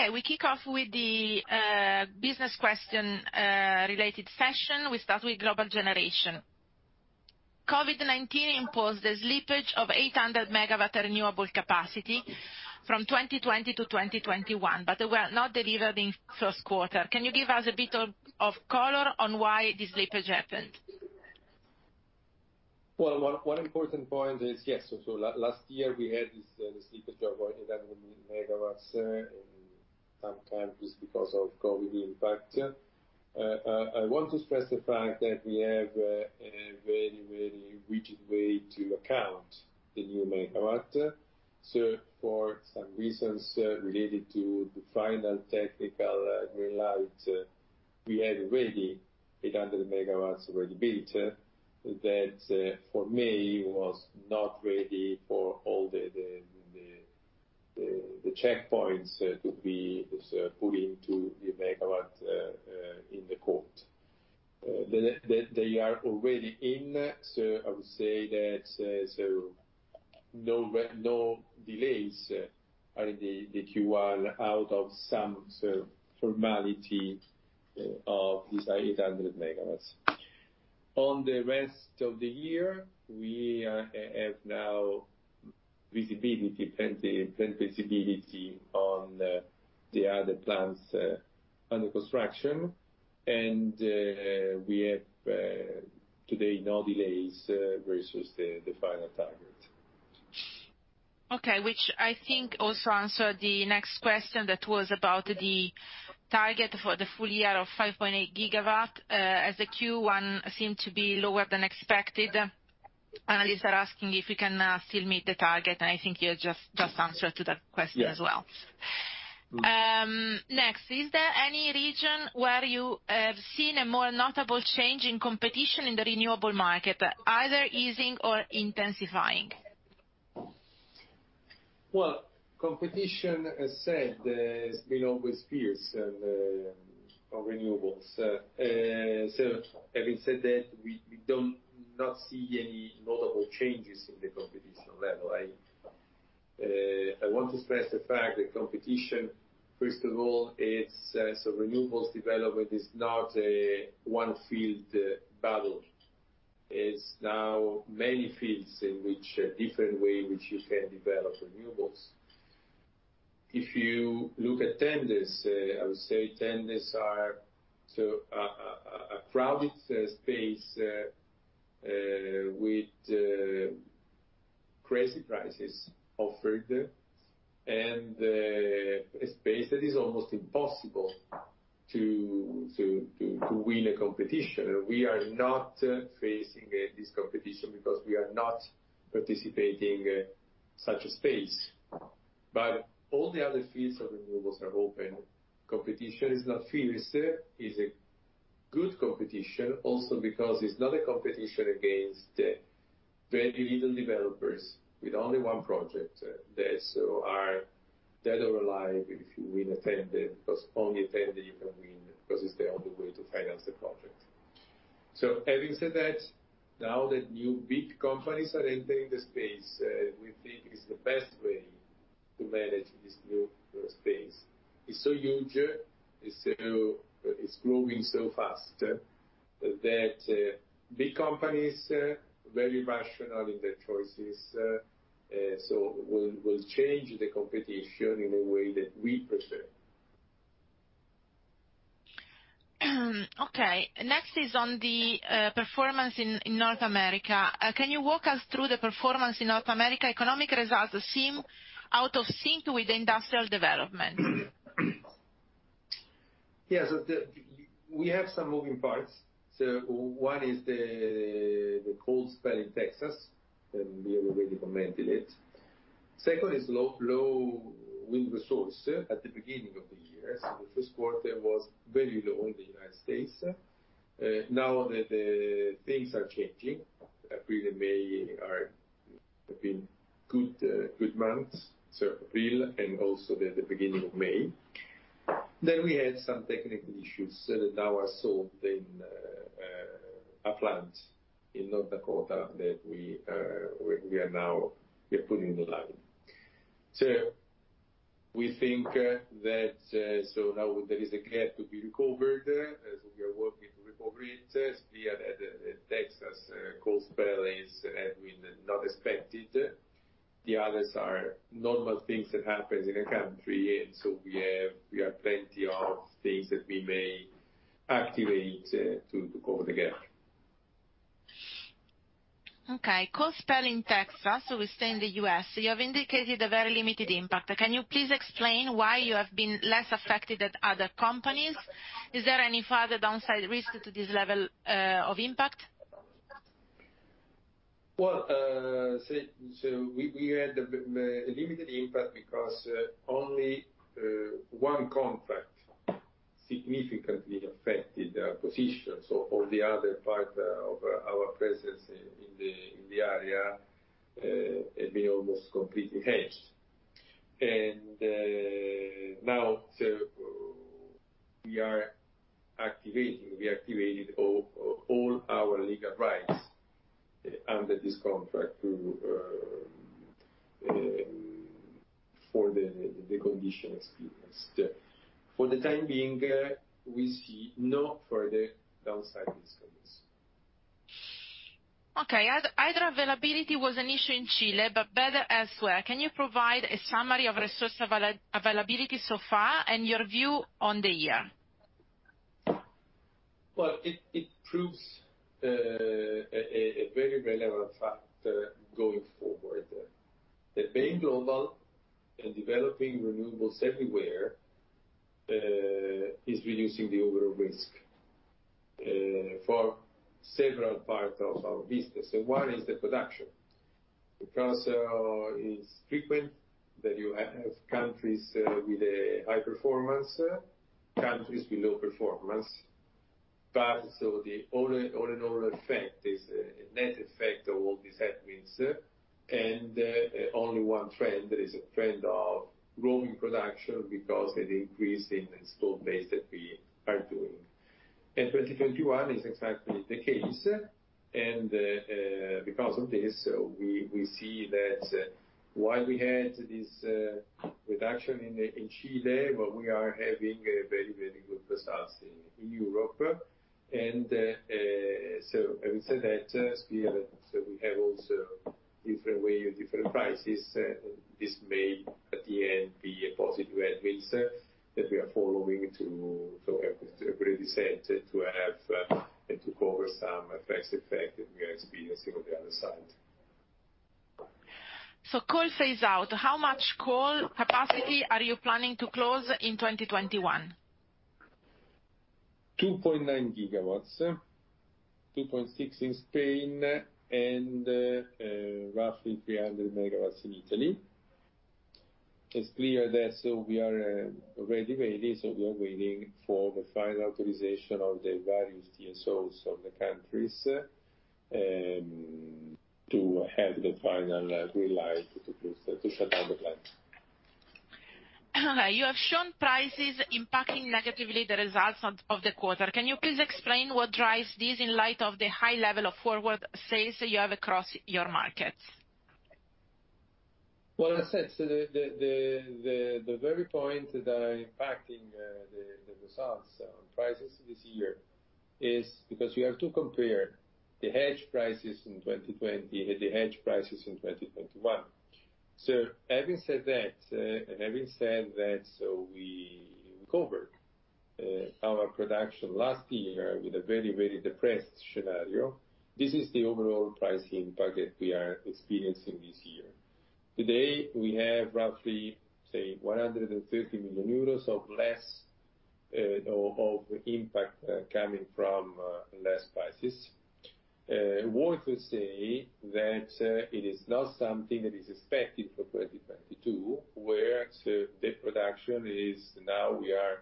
we kick off with the business question related session. We start with global generation. COVID-19 imposed a slippage of 800 megawatt renewable capacity from 2020 to 2021. They were not delivered in first quarter. Can you give us a bit of color on why this slippage happened? One important point is, yes, last year we had this slippage of 800 MW, and sometimes it's because of COVID-19 impact. I want to stress the fact that we have a very rigid way to account the new megawatt. For some reasons related to the final technical green light, we had 800 MW already built that, for me, was not ready for all the checkpoints to be put into the megawatt in the quarter. They are already in, I would say that no delays are in the Q1 out of some formality of these 800 MW. On the rest of the year, we have now plenty of visibility on the other plants under construction. We have, today, no delays versus the final target. Okay, which I think also answered the next question that was about the target for the full-year of 5.8 GW, as the Q1 seemed to be lower than expected. Analysts are asking if we can still meet the target, and I think you just answered to that question as well. Yes. Next, is there any region where you have seen a more notable change in competition in the renewable market, either easing or intensifying? Well, competition, as said, has been always fierce of renewables. Having said that, we don't see any notable changes in the competition level. I want to stress the fact that competition, first of all, renewables development is not a one field battle. It's now many fields in which different way, which you can develop renewables. If you look at tenders, I would say tenders are a crowded space with crazy prices offered, and a space that is almost impossible to win a competition. We are not facing this competition because we are not participating such a space. All the other fields of renewables are open. Competition is not fierce. It's a good competition, also because it's not a competition against very little developers with only one project that are dead or alive if you win a tender, because only a tender you can win, because it's the only way to finance the project. Having said that, now that new big companies are entering the space, we think it's the best way to manage this new space. It's so huge, it's growing so fast that big companies are very rational in their choices, so will change the competition in a way that we prefer. Next is on the performance in North America. Can you walk us through the performance in North America? Economic results seem out of sync with industrial development. Yes. We have some moving parts. One is the cold spell in Texas, and we have already commented it. Second is low wind resource at the beginning of the year. The first quarter was very low in the U.S. Now that things are changing. April and May have been good months, so April and also the beginning of May. We had some technical issues that now are solved in a plant in North Dakota that we are now putting alive. We think that now there is a gap to be recovered, as we are working to recover it via the Texas cold spell had been not expected. The others are normal things that happen in a country, and so we have plenty of things that we may activate to cover the gap. Okay. Cold spell in Texas. We stay in the U.S. You have indicated a very limited impact. Can you please explain why you have been less affected than other companies? Is there any further downside risk to this level of impact? We had a limited impact because only one country significantly affected our position. All the other part of our presence in the area have been almost completely hedged. Now we activated all our legal rights under this contract for the condition experienced. For the time being, we see no further downside risks on this. Okay. Hydro availability was an issue in Chile, but better elsewhere. Can you provide a summary of resource availability so far and your view on the year? Well, it proves a very relevant fact going forward, that being global and developing renewables everywhere is reducing the overall risk for several parts of our business. One is the production, because it is frequent that you have countries with a high performance, countries with low performance. The all-in-all effect is a net effect of all these headwinds, and only one trend that is a trend of growing production because of the increase in installed base that we are doing. 2021 is exactly the case, and because of this, we see that while we had this reduction in Chile, but we are having a very good results in Europe. I would say that still, we have also different ways and different prices. This may at the end be a positive headwind that we are following to have, as I previously said, to have and to cover some adverse effect that we are experiencing on the other side. Coal phase out, how much coal capacity are you planning to close in 2021? 2.9 GW. 2.6 in Spain and roughly 300 MW in Italy. It's clear that we are ready. We are waiting for the final authorization of the various TSOs of the countries, to have the final green light to shut down the plant. You have shown prices impacting negatively the results of the quarter. Can you please explain what drives this in light of the high level of forward sales you have across your markets? Well, as I said, so the very point that are impacting the results on prices this year is because we have to compare the hedge prices in 2020 with the hedge prices in 2021. Having said that, so we covered our production last year with a very depressed scenario. This is the overall pricing impact that we are experiencing this year. Today, we have roughly, say, 130 million euros of less of impact coming from less prices. I want to say that it is not something that is expected for 2022, where we are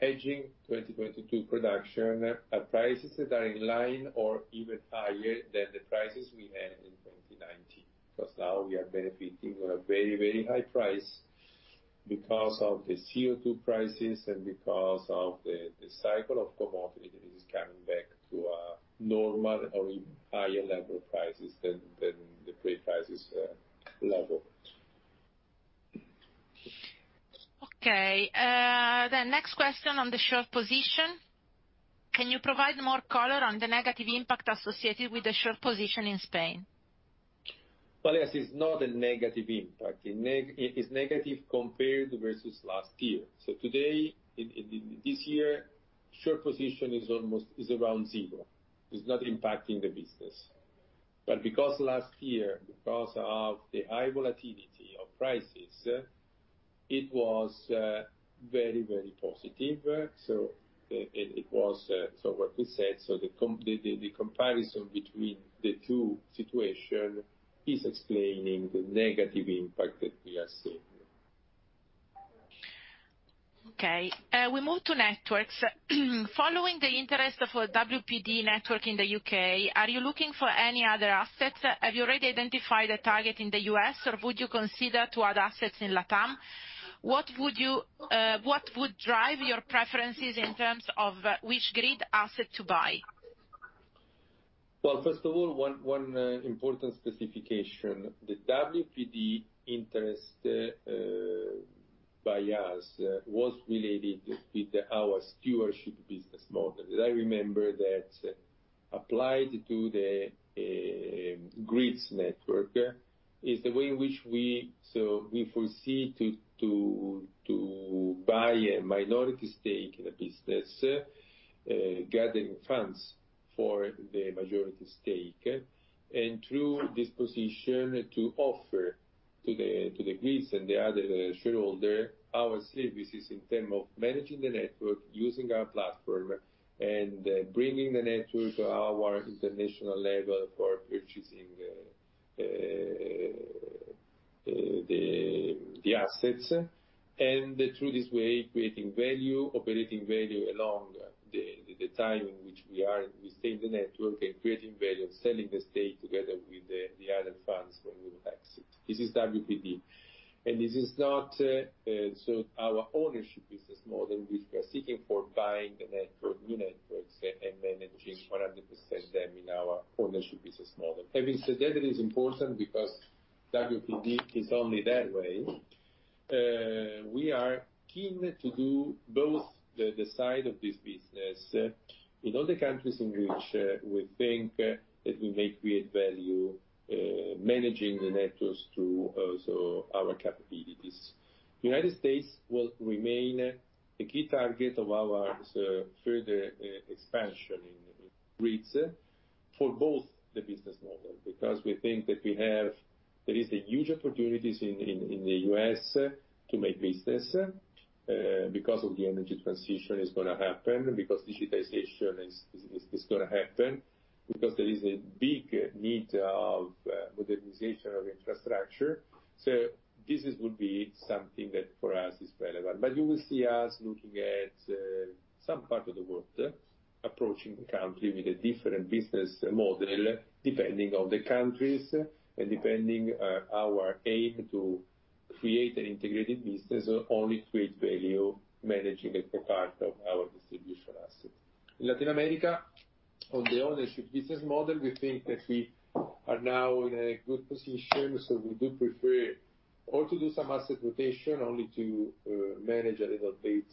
hedging 2022 production at prices that are in line or even higher than the prices we had in 2019. Now we are benefiting a very high price because of the CO2 prices and because of the cycle of commodity that is coming back to a normal or even higher level prices than the pre-crisis level. Okay. The next question on the short position. Can you provide more color on the negative impact associated with the short position in Spain? Well, this is not a negative impact. It is negative compared versus last year. Today, this year, short position is around zero. It's not impacting the business. Because last year, because of the high volatility of prices, it was very positive. What we said, so the comparison between the two situation is explaining the negative impact that we are seeing. Okay. We move to networks. Following the interest of a WPD network in the U.K., are you looking for any other assets? Have you already identified a target in the U.S., or would you consider to add assets in LATAM? What would drive your preferences in terms of which grid asset to buy? Well, first of all, one important specification, the WPD interest by us was related with our stewardship business model. I remember that applied to the grids network, is the way in which we foresee to buy a minority stake in a business, gathering funds for the majority stake. Through this position to offer to the grids and the other shareholder, our services in term of managing the network, using our platform and bringing the network to our international level for purchasing the assets. Through this way, creating value, operating value, along the time in which we stay in the network and creating value, selling the stake together with the other funds when we will exit. This is WPD. Our ownership business model, which we are seeking for buying the network, new networks, and managing 100% them in our ownership business model. Having said that is important because WPD is only that way. We are keen to do both the side of this business in other countries in which we think that we may create value, managing the networks through our capabilities. U.S. will remain a key target of our further expansion in grids for both the business model, because we think that there is a huge opportunities in the U.S. to make business, because of the energy transition is going to happen, because digitization is going to happen, because there is a big need of modernization of infrastructure. This would be something that for us is relevant. You will see us looking at some part of the world, approaching country with a different business model, depending on the countries, and depending our aim to create an integrated business or only create value managing as a part of our distribution asset. In Latin America, on the ownership business model, we think that we are now in a good position. We do prefer, or to do some asset rotation only to manage a little bit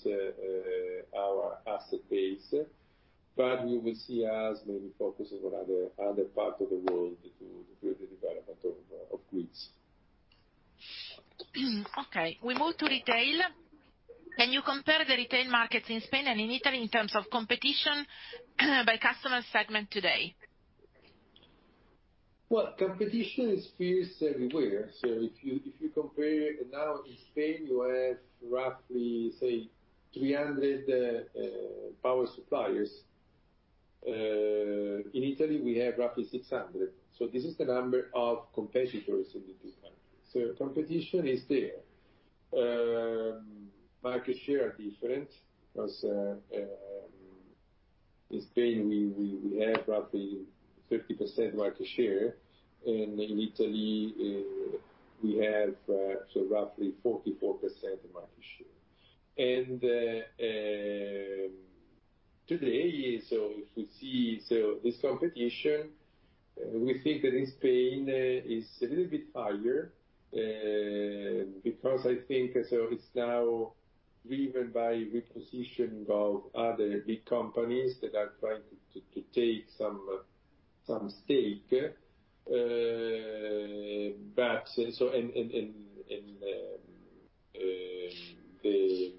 our asset base. You will see us maybe focusing on other part of the world to create the development of grids. Okay. We move to retail. Can you compare the retail markets in Spain and in Italy in terms of competition by customer segment today? Well, competition is fierce everywhere. If you compare now in Spain, you have roughly, say 300 power suppliers. In Italy, we have roughly 600. This is the number of competitors in these countries. Competition is there. Market share are different because, in Spain, we have roughly 50% market share. In Italy, we have roughly 44% market share. Today, so if you see this competition, we think that in Spain is a little bit higher, because I think it's now driven by repositioning of other big companies that are trying to take some stake. The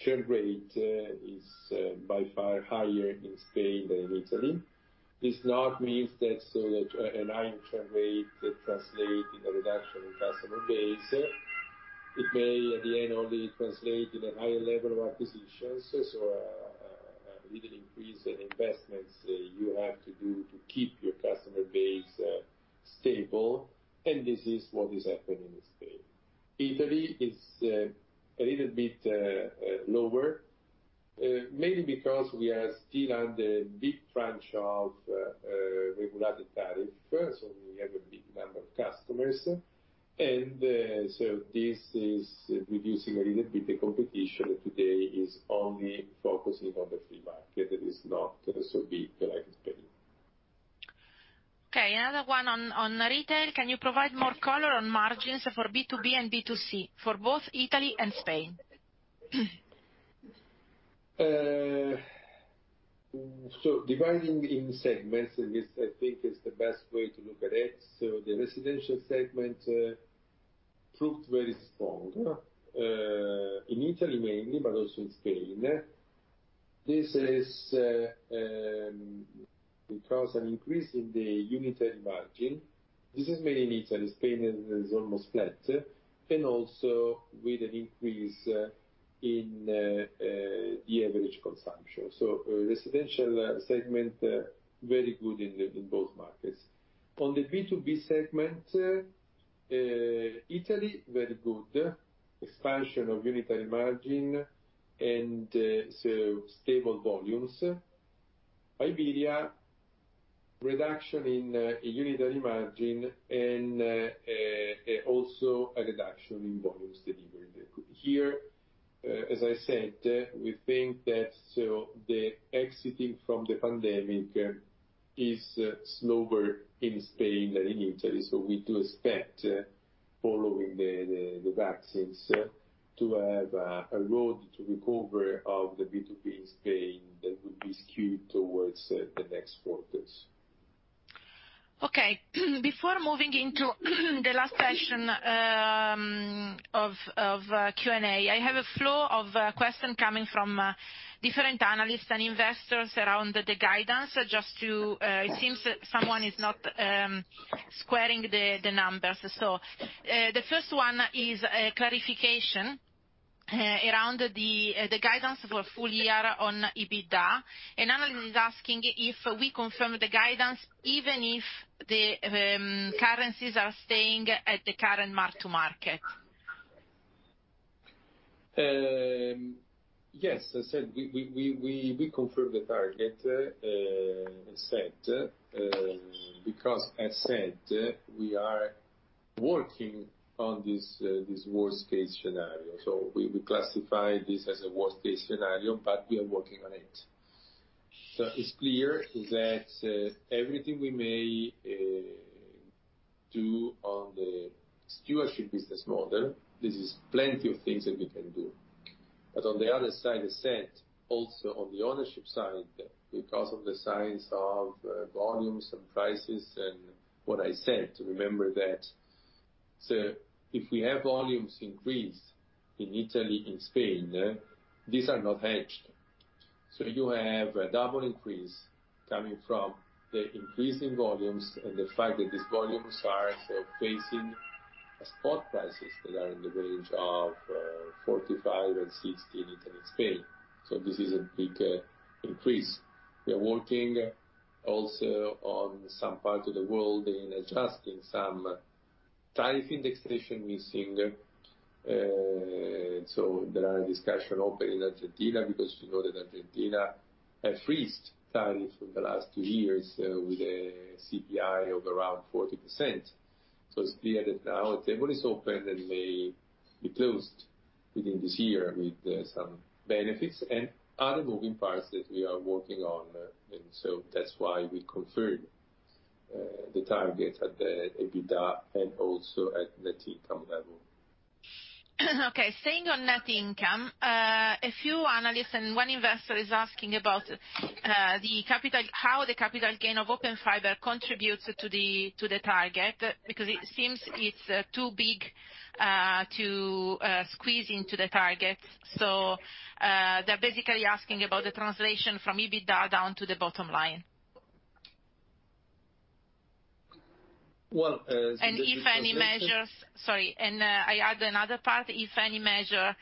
churn rate is by far higher in Spain than in Italy. This not means that an high churn rate translate in a reduction in customer base. It may, at the end, only translate in a higher level of acquisitions. A little increase in investments you have to do to keep your customer base stable, and this is what is happening in Spain. Italy is a little bit lower, mainly because we are still under a big branch of regulated tariff, so we have a big number of customers. This is reducing a little bit the competition. Today is only focusing on the free market. It is not so big like Spain. Okay, another one on retail. Can you provide more color on margins for B2B and B2C, for both Italy and Spain? Dividing in segments, I think is the best way to look at it. The residential segment proved very strong in Italy mainly, but also in Spain. This is because an increase in the unitary margin, this is mainly Italy, Spain is almost flat, and also with an increase in the average consumption. Residential segment very good in both markets. On the B2B segment, Italy, very good. Expansion of unitary margin and stable volumes. Iberia, reduction in unitary margin and also a reduction in volumes delivered. Here, as I said, we think that the exiting from the pandemic is slower in Spain than in Italy, so we do expect, following the vaccines, to have a road to recover of the B2B in Spain that will be skewed towards the next quarters. Okay. Before moving into the last session of Q&A, I have a flow of question coming from different analysts and investors around the guidance. It seems that someone is not squaring the numbers. The first one is a clarification around the guidance for full-year on EBITDA. An analyst is asking if we confirm the guidance, even if the currencies are staying at the current mark to market. Yes. As said, we confirm the target, because as said, we are working on this worst-case scenario. We classify this as a worst-case scenario, but we are working on it. It's clear that everything we may do on the stewardship business model, this is plenty of things that we can do. On the other side, as said, also on the ownership side, because of the size of volumes and prices and what I said, remember that if we have volumes increase in Italy and Spain, these are not hedged. You have a double increase coming from the increase in volumes and the fact that these volumes are facing spot prices that are in the range of 45 and 60 in Italy and Spain. This is a big increase. We are working also on some parts of the world in adjusting some tariff indexation we're seeing. There are discussion open in Argentina because you know that Argentina have freezed tariffs for the last two years with a CPI of around 40%. It's clear that now the table is open and may be closed within this year with some benefits and other moving parts that we are working on. That's why we confirmed the target at the EBITDA and also at net income level. Okay. Staying on net income. A few analysts and one investor is asking about how the capital gain of Open Fiber contributes to the target, because it seems it's too big to squeeze into the target. They're basically asking about the translation from EBITDA down to the bottom line. Well, the utilization- Sorry, and I add another part. If any measure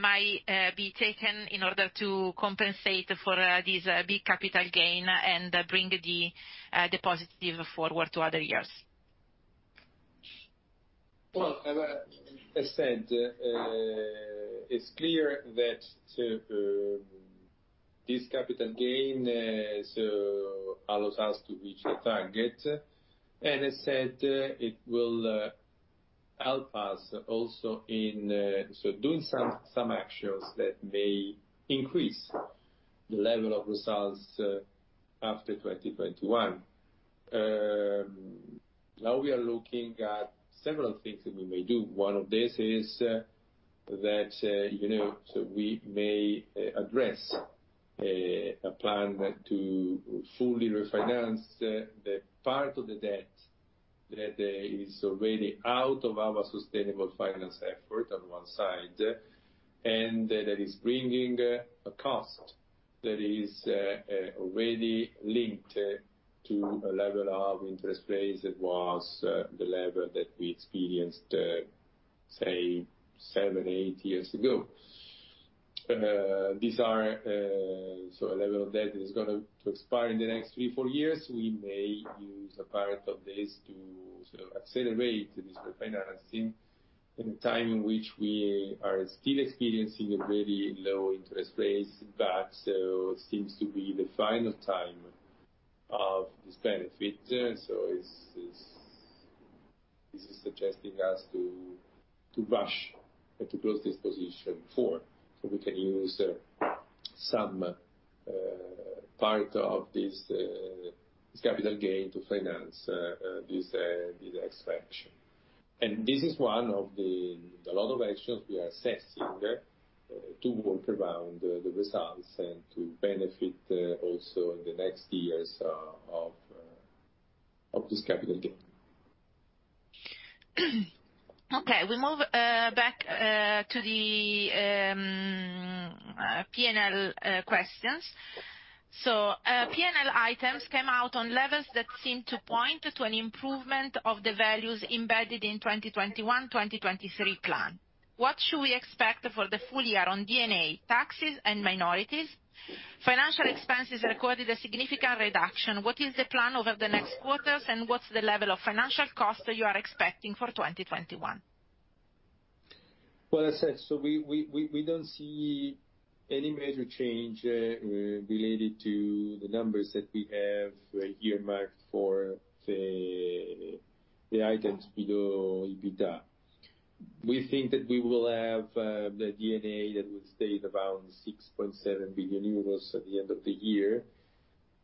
might be taken in order to compensate for this big capital gain and bring the positive forward to other years? Well, as said, it's clear that this capital gain allows us to reach the target. As said, it will help us also in doing some actions that may increase the level of results after 2021. We are looking at several things that we may do. One of this is that we may address a plan to fully refinance the part of the debt that is already out of our sustainable finance effort on one side, and that is bringing a cost that is already linked to a level of interest rates that was the level that we experienced, say, seven, eight years ago. A level of debt is going to expire in the next three, four years. We may use a part of this to accelerate this refinancing in a time in which we are still experiencing a very low interest rates, but seems to be the final time of this benefit. This is suggesting us to rush and to close this position for, so we can use some part of this capital gain to finance this expansion. This is one of the lot of actions we are assessing to work around the results and to benefit also in the next years of this capital gain. We move back to the P&L questions. P&L items came out on levels that seem to point to an improvement of the values embedded in 2021, 2023 plan. What should we expect for the full-year on D&A, taxes and minorities? Financial expenses recorded a significant reduction. What is the plan over the next quarters and what's the level of financial cost you are expecting for 2021? Well said. We don't see any major change related to the numbers that we have earmarked for the items below EBITDA. We think that we will have the D&A that would stay at around 6.7 billion euros at the end of the year.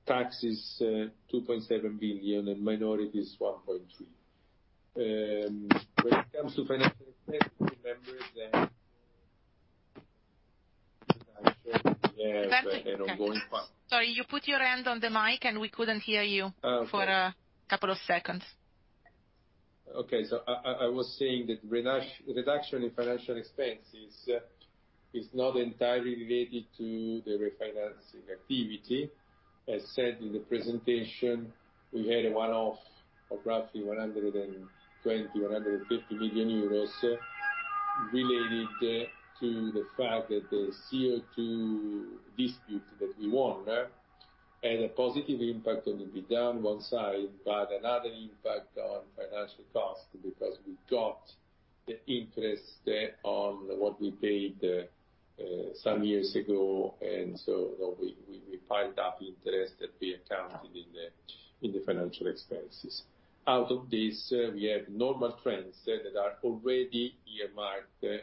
Tax is 2.7 billion and minority is 1.3 billion. When it comes to financial expense, remember that they have an ongoing. Sorry, you put your hand on the mic, and we couldn't hear you. Oh, okay. for a couple of seconds. I was saying that reduction in financial expense is not entirely related to the refinancing activity. As said in the presentation, we had a one-off of roughly 120 million-150 million euros related to the fact that the CO2 dispute that we won, had a positive impact on the EBITDA on one side, but another impact on financial cost because we got the interest on what we paid some years ago. We piled up interest that we accounted in the financial expenses. Out of this, we have normal trends that are already earmarked in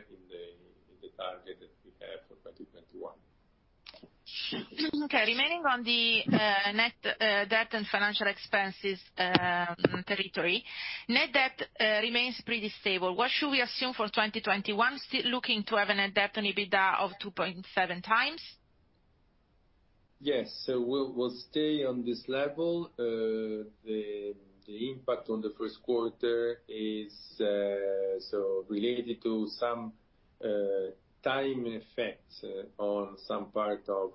the target that we have for 2021. Okay. Remaining on the net debt and financial expenses territory, net debt remains pretty stable. What should we assume for 2021, still looking to have a net debt on EBITDA of 2.7 times? Yes. We'll stay on this level. The impact on the first quarter is related to some time effects on some part of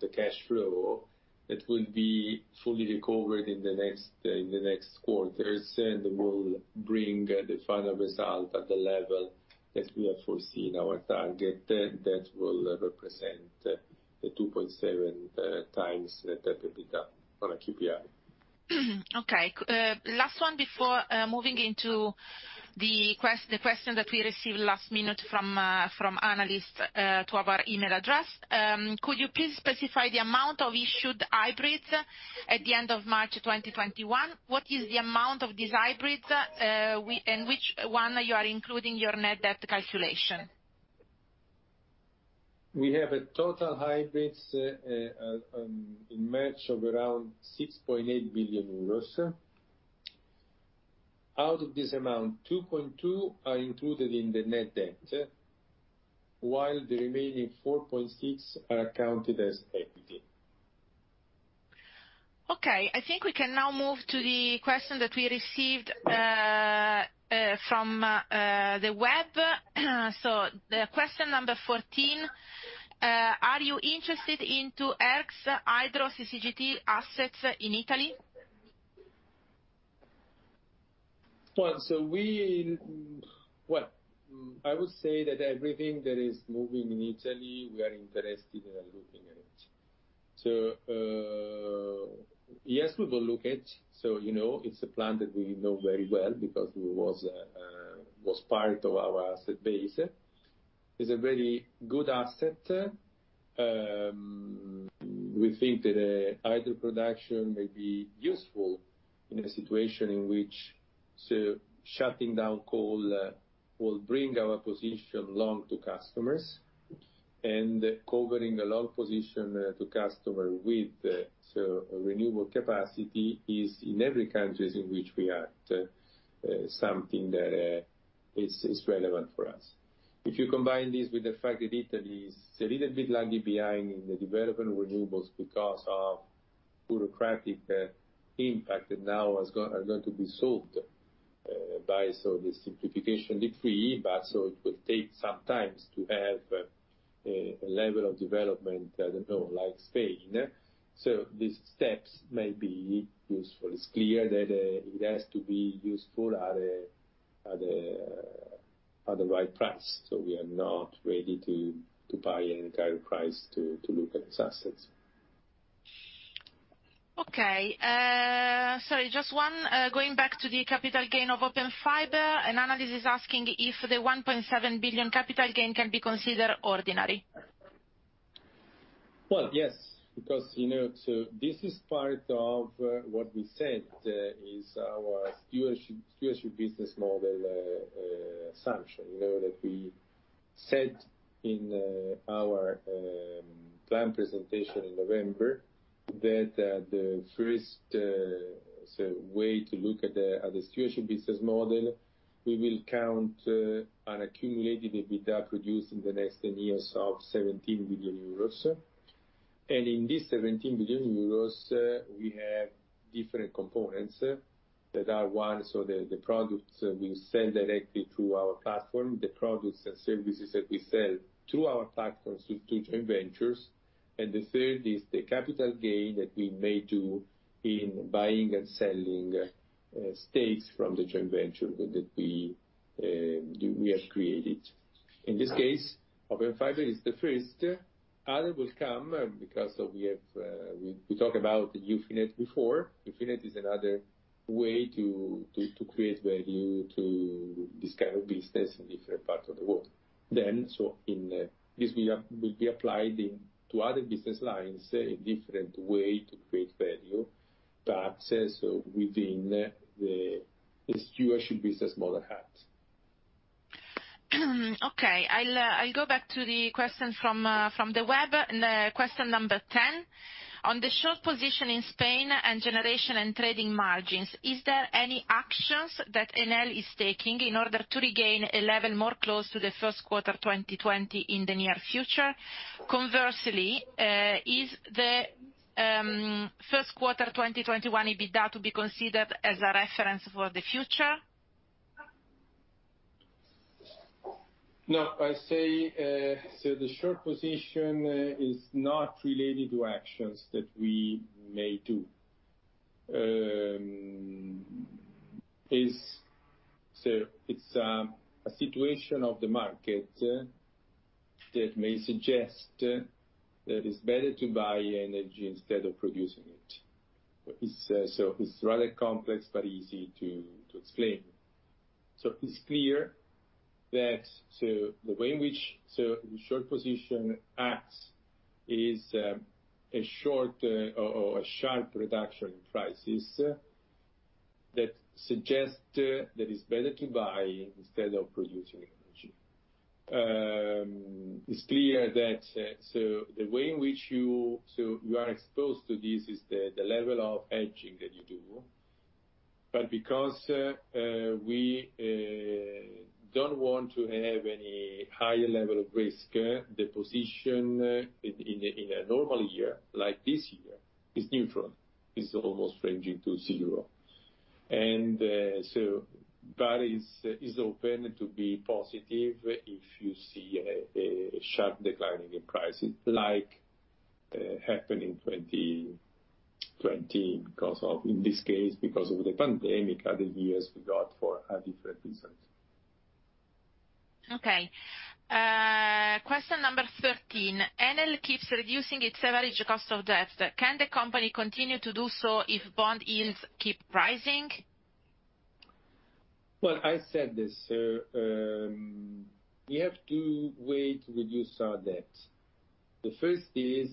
the cash flow, that will be fully recovered in the next quarters, and will bring the final result at the level that we have foreseen our target, that will represent the 2.7x the net debt to EBITDA on a KPI. Last one before moving into the question that we received last minute from analysts to our email address. Could you please specify the amount of issued hybrids at the end of March 2021? What is the amount of these hybrids, and which one you are including your net debt calculation? We have a total hybrids in March of around 6.8 billion euros. Out of this amount, 2.2 are included in the net debt, while the remaining 4.6 are accounted as equity. Okay. I think we can now move to the question that we received from the web. The question number 14: Are you interested into ERG's hydro CCGT assets in Italy? Well, I would say that everything that is moving in Italy, we are interested in and looking at it. Yes, we will look at. It's a plant that we know very well because it was part of our asset base. It's a very good asset. We think that hydro production may be useful in a situation in which shutting down coal will bring our position long to customers, and covering a long position to customer with renewable capacity is, in every countries in which we act, something that is relevant for us. If you combine this with the fact that Italy is a little bit lagging behind in the development of renewables because of bureaucratic impact that now are going to be solved by the simplification decree, but it will take some time to have a level of development, I don't know, like Spain. These steps may be useful. It's clear that it has to be useful at the right price. We are not ready to buy any kind of price to look at these assets. Okay. Sorry, going back to the capital gain of Open Fiber. An analyst is asking if the 1.7 billion capital gain can be considered ordinary. Well, yes, because this is part of what we said is our stewardship business model assumption. We said in our plan presentation in November that the first way to look at the stewardship business model, we will count an accumulated EBITDA produced in the next 10 years of 17 billion euros. In this 17 billion euros, we have different components that are, one, the products we sell directly through our platform, the products and services that we sell through our platforms to joint ventures. The third is the capital gain that we made to in buying and selling stakes from the joint venture that we have created. In this case, Open Fiber is the first. Other will come because we talked about Ufinet before. Ufinet is another way to create value to this kind of business in different parts of the world. This will be applied to other business lines, a different way to create value, perhaps within the stewardship business model hat. Okay. I'll go back to the question from the web, and question number 10. On the short position in Spain and generation and trading margins, is there any actions that Enel is taking in order to regain a level more close to the first quarter 2020 in the near future? Conversely, is the first quarter 2021 EBITDA to be considered as a reference for the future? No, I say the short position is not related to actions that we may do. It's a situation of the market that may suggest that it's better to buy energy instead of producing it. It's rather complex, but easy to explain. It's clear that the way in which the short position acts is a short or a sharp reduction in prices that suggest that it's better to buy instead of producing energy. It's clear that the way in which you are exposed to this is the level of hedging that you do. Because we don't want to have any higher level of risk, the position in a normal year, like this year, is neutral. It's almost ranging to zero. That is open to be positive if you see a sharp declining in prices like happened in 2020, in this case, because of the pandemic. Other years, we got for a different reason. Okay. Question number 13. Enel keeps reducing its average cost of debt. Can the company continue to do so if bond yields keep rising? Well, I said this. We have two ways to reduce our debt. The first is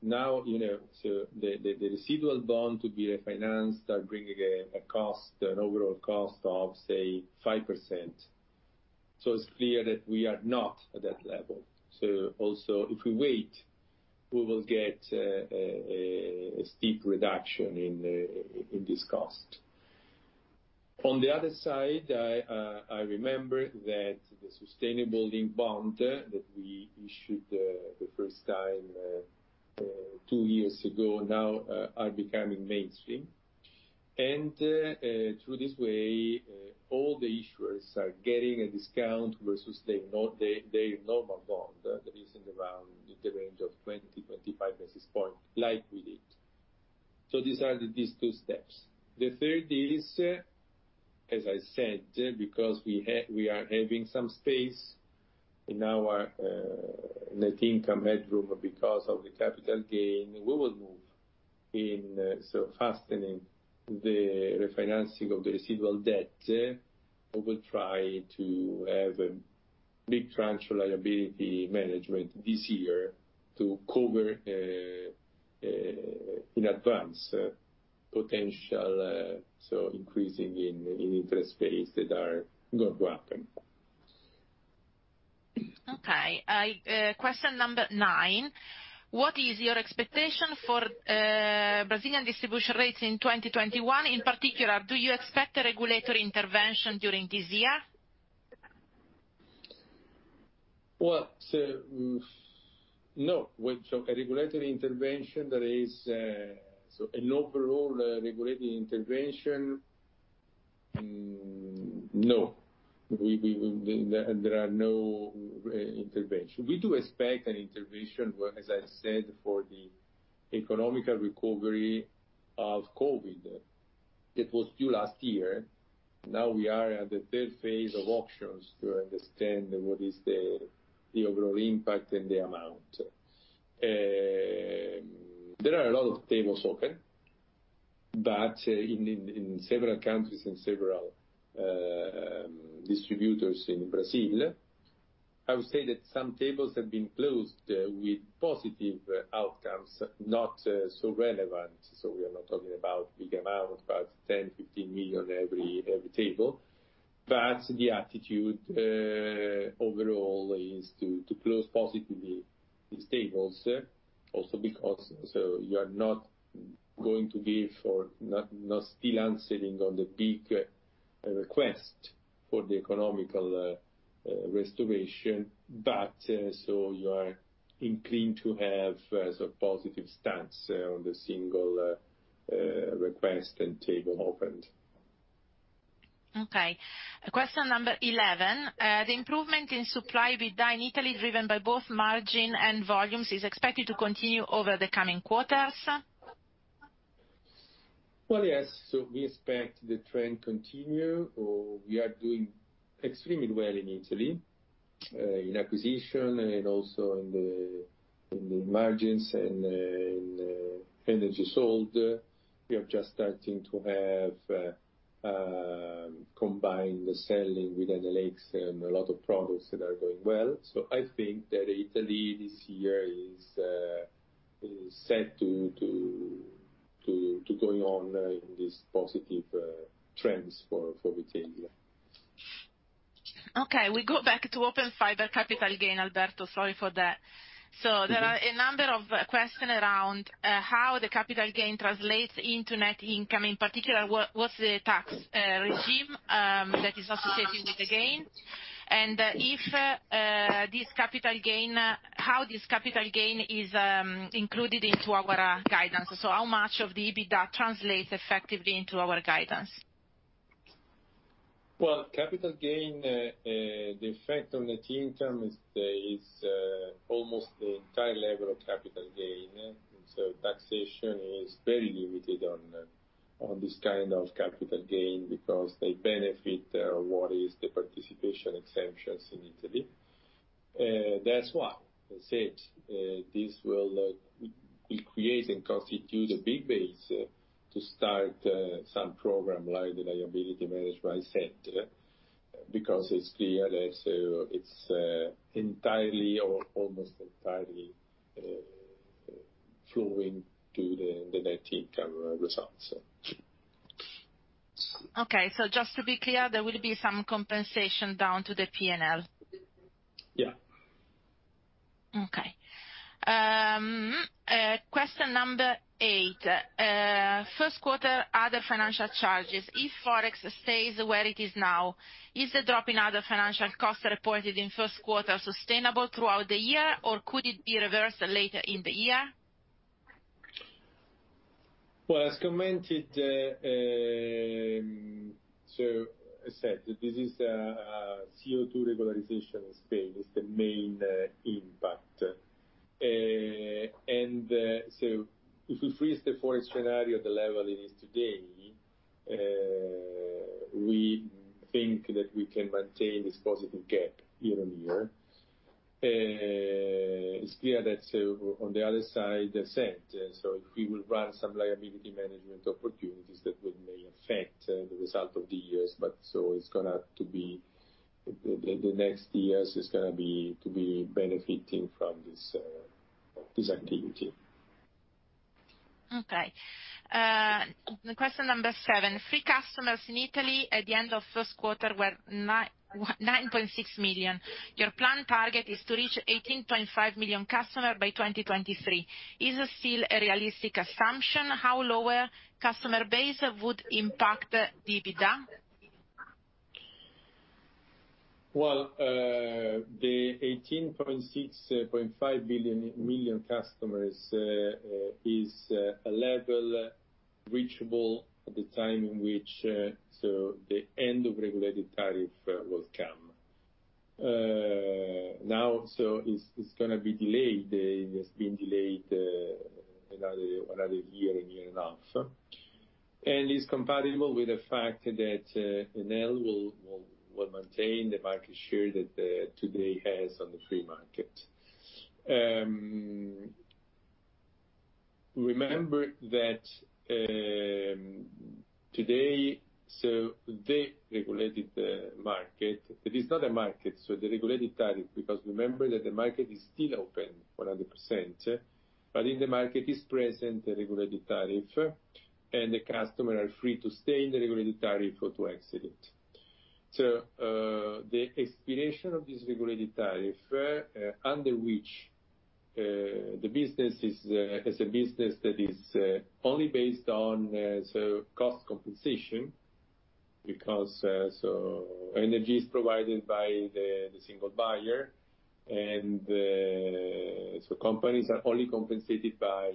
now, the residual bond to be refinanced are bringing an overall cost of, say, 5%. It's clear that we are not at that level. Also, if we wait, we will get a steep reduction in this cost. On the other side, I remember that the sustainable link bond that we issued the first time two years ago, now are becoming mainstream. Through this way, all the issuers are getting a discount versus their normal bond, that is in the range of 20, 25 basis points, like we did. These are these two steps. The third is, as I said, because we are having some space in our net income headroom, because of the capital gain, we will move in fastening the refinancing of the residual debt. We will try to have a big tranche liability management this year to cover, in advance, potential increasing in interest rates that are going to happen. Okay. Question number nine. What is your expectation for Brazilian distribution rates in 2021? In particular, do you expect a regulatory intervention during this year? Well, no. A regulatory intervention, there is an overall regulatory intervention. No. There are no intervention. We do expect an intervention, as I said, for the economical recovery of COVID-19. It was due last year. Now we are at the third phase of auctions to understand what is the overall impact and the amount. There are a lot of tables open. In several countries, in several distributors in Brazil, I would say that some tables have been closed with positive outcomes, not so relevant. We are not talking about big amount, but 10 million, 15 million every table. The attitude overall is to close positively these tables. Also because you are not going to give for, not still answering on the big request for the economical restoration. You are inclined to have some positive stance on the single request and table opened. Okay. Question number 11. The improvement in supply within Italy, driven by both margin and volumes, is expected to continue over the coming quarters? Well, yes. We expect the trend continue, or we are doing extremely well in Italy, in acquisition and also in the margins and in energy sold. We are just starting to have combined selling with Enel X and a lot of products that are going well. I think that Italy this year is set to going on in this positive trends for retail, yeah. We go back to Open Fiber capital gain, Alberto. Sorry for that. There are a number of questions around how the capital gain translates into net income. In particular, what's the tax regime that is associated with the gain? How this capital gain is included into our guidance. How much of the EBITDA translates effectively into our guidance? Well, capital gain, the effect on the medium term is almost the entire level of capital gain. Taxation is very limited on this kind of capital gain because they benefit what is the participation exemptions in Italy. That's why I said, this will create and constitute a big base to start some program like the liability management I said, because it's clear that it's entirely or almost entirely flowing to the net income results. Okay, just to be clear, there will be some compensation down to the P&L? Yeah. Okay. Question number eight. First quarter other financial charges. If Forex stays where it is now, is the drop in other financial costs reported in first quarter sustainable throughout the year, or could it be reversed later in the year? Well, as commented, so I said that this is a CO2 regularization in Spain is the main impact. If we freeze the foreign scenario at the level it is today, we think that we can maintain this positive gap year-on-year. It is clear that on the other side, as said, so if we will run some liability management opportunities, that may affect the result of the years. The next years is going to be benefiting from this activity. Okay. Question number seven. Free customers in Italy at the end of first quarter were 9.6 million. Your planned target is to reach 18.5 million customer by 2023. Is it still a realistic assumption? How lower customer base would impact the EBITDA? Well, the 18.5 million customers, is a level reachable at the time in which the end of regulated tariff will come. Now, so it's going to be delayed. It has been delayed another year, a year and a half. It's compatible with the fact that Enel will maintain the market share that today it has on the free market. Remember that today, so the regulated market, it is not a market, so the regulated tariff, because remember that the market is still open 100%. In the market is present, the regulated tariff, and the customer are free to stay in the regulated tariff or to exit it. The expiration of this regulated tariff, under which the business is a business that is only based on cost compensation, because energy is provided by the single buyer, companies are only compensated by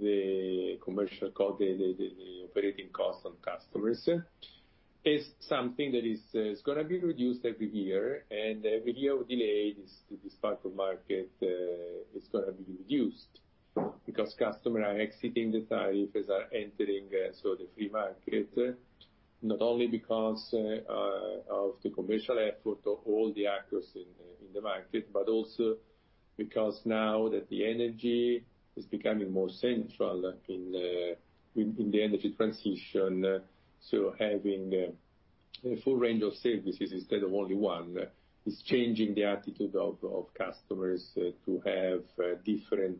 the commercial cost, the operating cost on customers, is something that is going to be reduced every year. Every year we delay this type of market, it's going to be reduced, because customers are exiting the tariffs are entering the free market, not only because of the commercial effort of all the actors in the market, but also because now that the energy is becoming more central in the energy transition, so having a full range of services instead of only one, is changing the attitude of customers to have different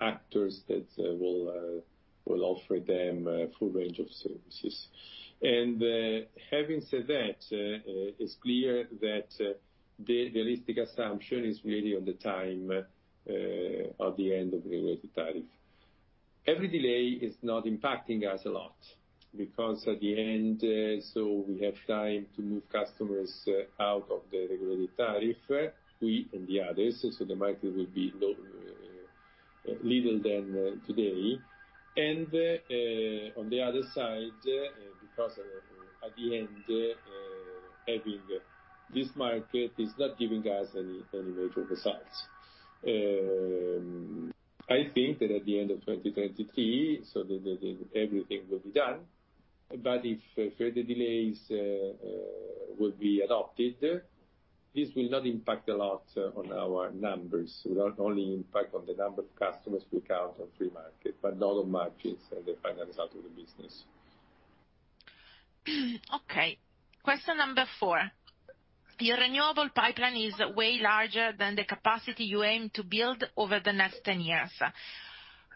actors that will offer them a full range of services. Having said that, it's clear that the realistic assumption is really on the time of the end of regulated tariff. Every delay is not impacting us a lot, because at the end, so we have time to move customers out of the regulated tariff, we and the others, so the market will be little than today. On the other side, because at the end, having this market is not giving us any major results. I think that at the end of 2023, so that everything will be done. If further delays will be adopted, this will not impact a lot on our numbers. This will only impact on the number of customers we count on free market, but not on margins and the final result of the business. Okay. Question number four. Your renewable pipeline is way larger than the capacity you aim to build over the next 10 years.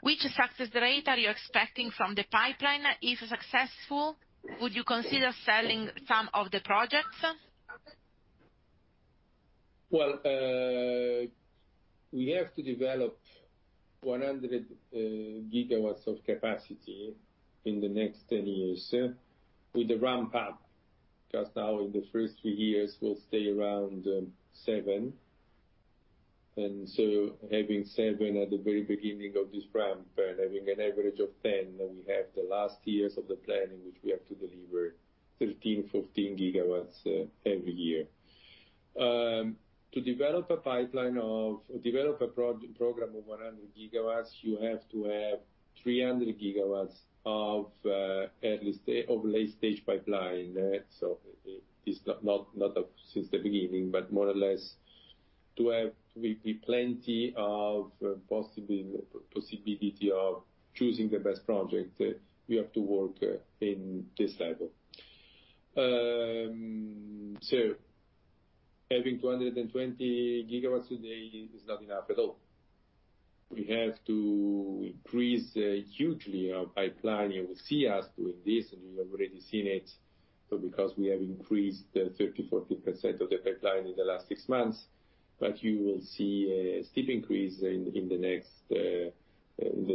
Which success rate are you expecting from the pipeline? If successful, would you consider selling some of the projects? We have to develop 100 GW of capacity in the next 10 years with a ramp-up, because now in the first few years we'll stay around seven. Having seven at the very beginning of this ramp and having an average of 10, then we have the last years of the plan in which we have to deliver 13, 14 GW every year. To develop a program of 100 GW, you have to have 300 GW of late-stage pipeline. It's not since the beginning, but more or less to have plenty of possibility of choosing the best project, we have to work in this level. Having 220 GW today is not enough at all. We have to increase hugely our pipeline. You will see us doing this, and you have already seen it. Because we have increased 30%-40% of the pipeline in the last six months, but you will see a steep increase in the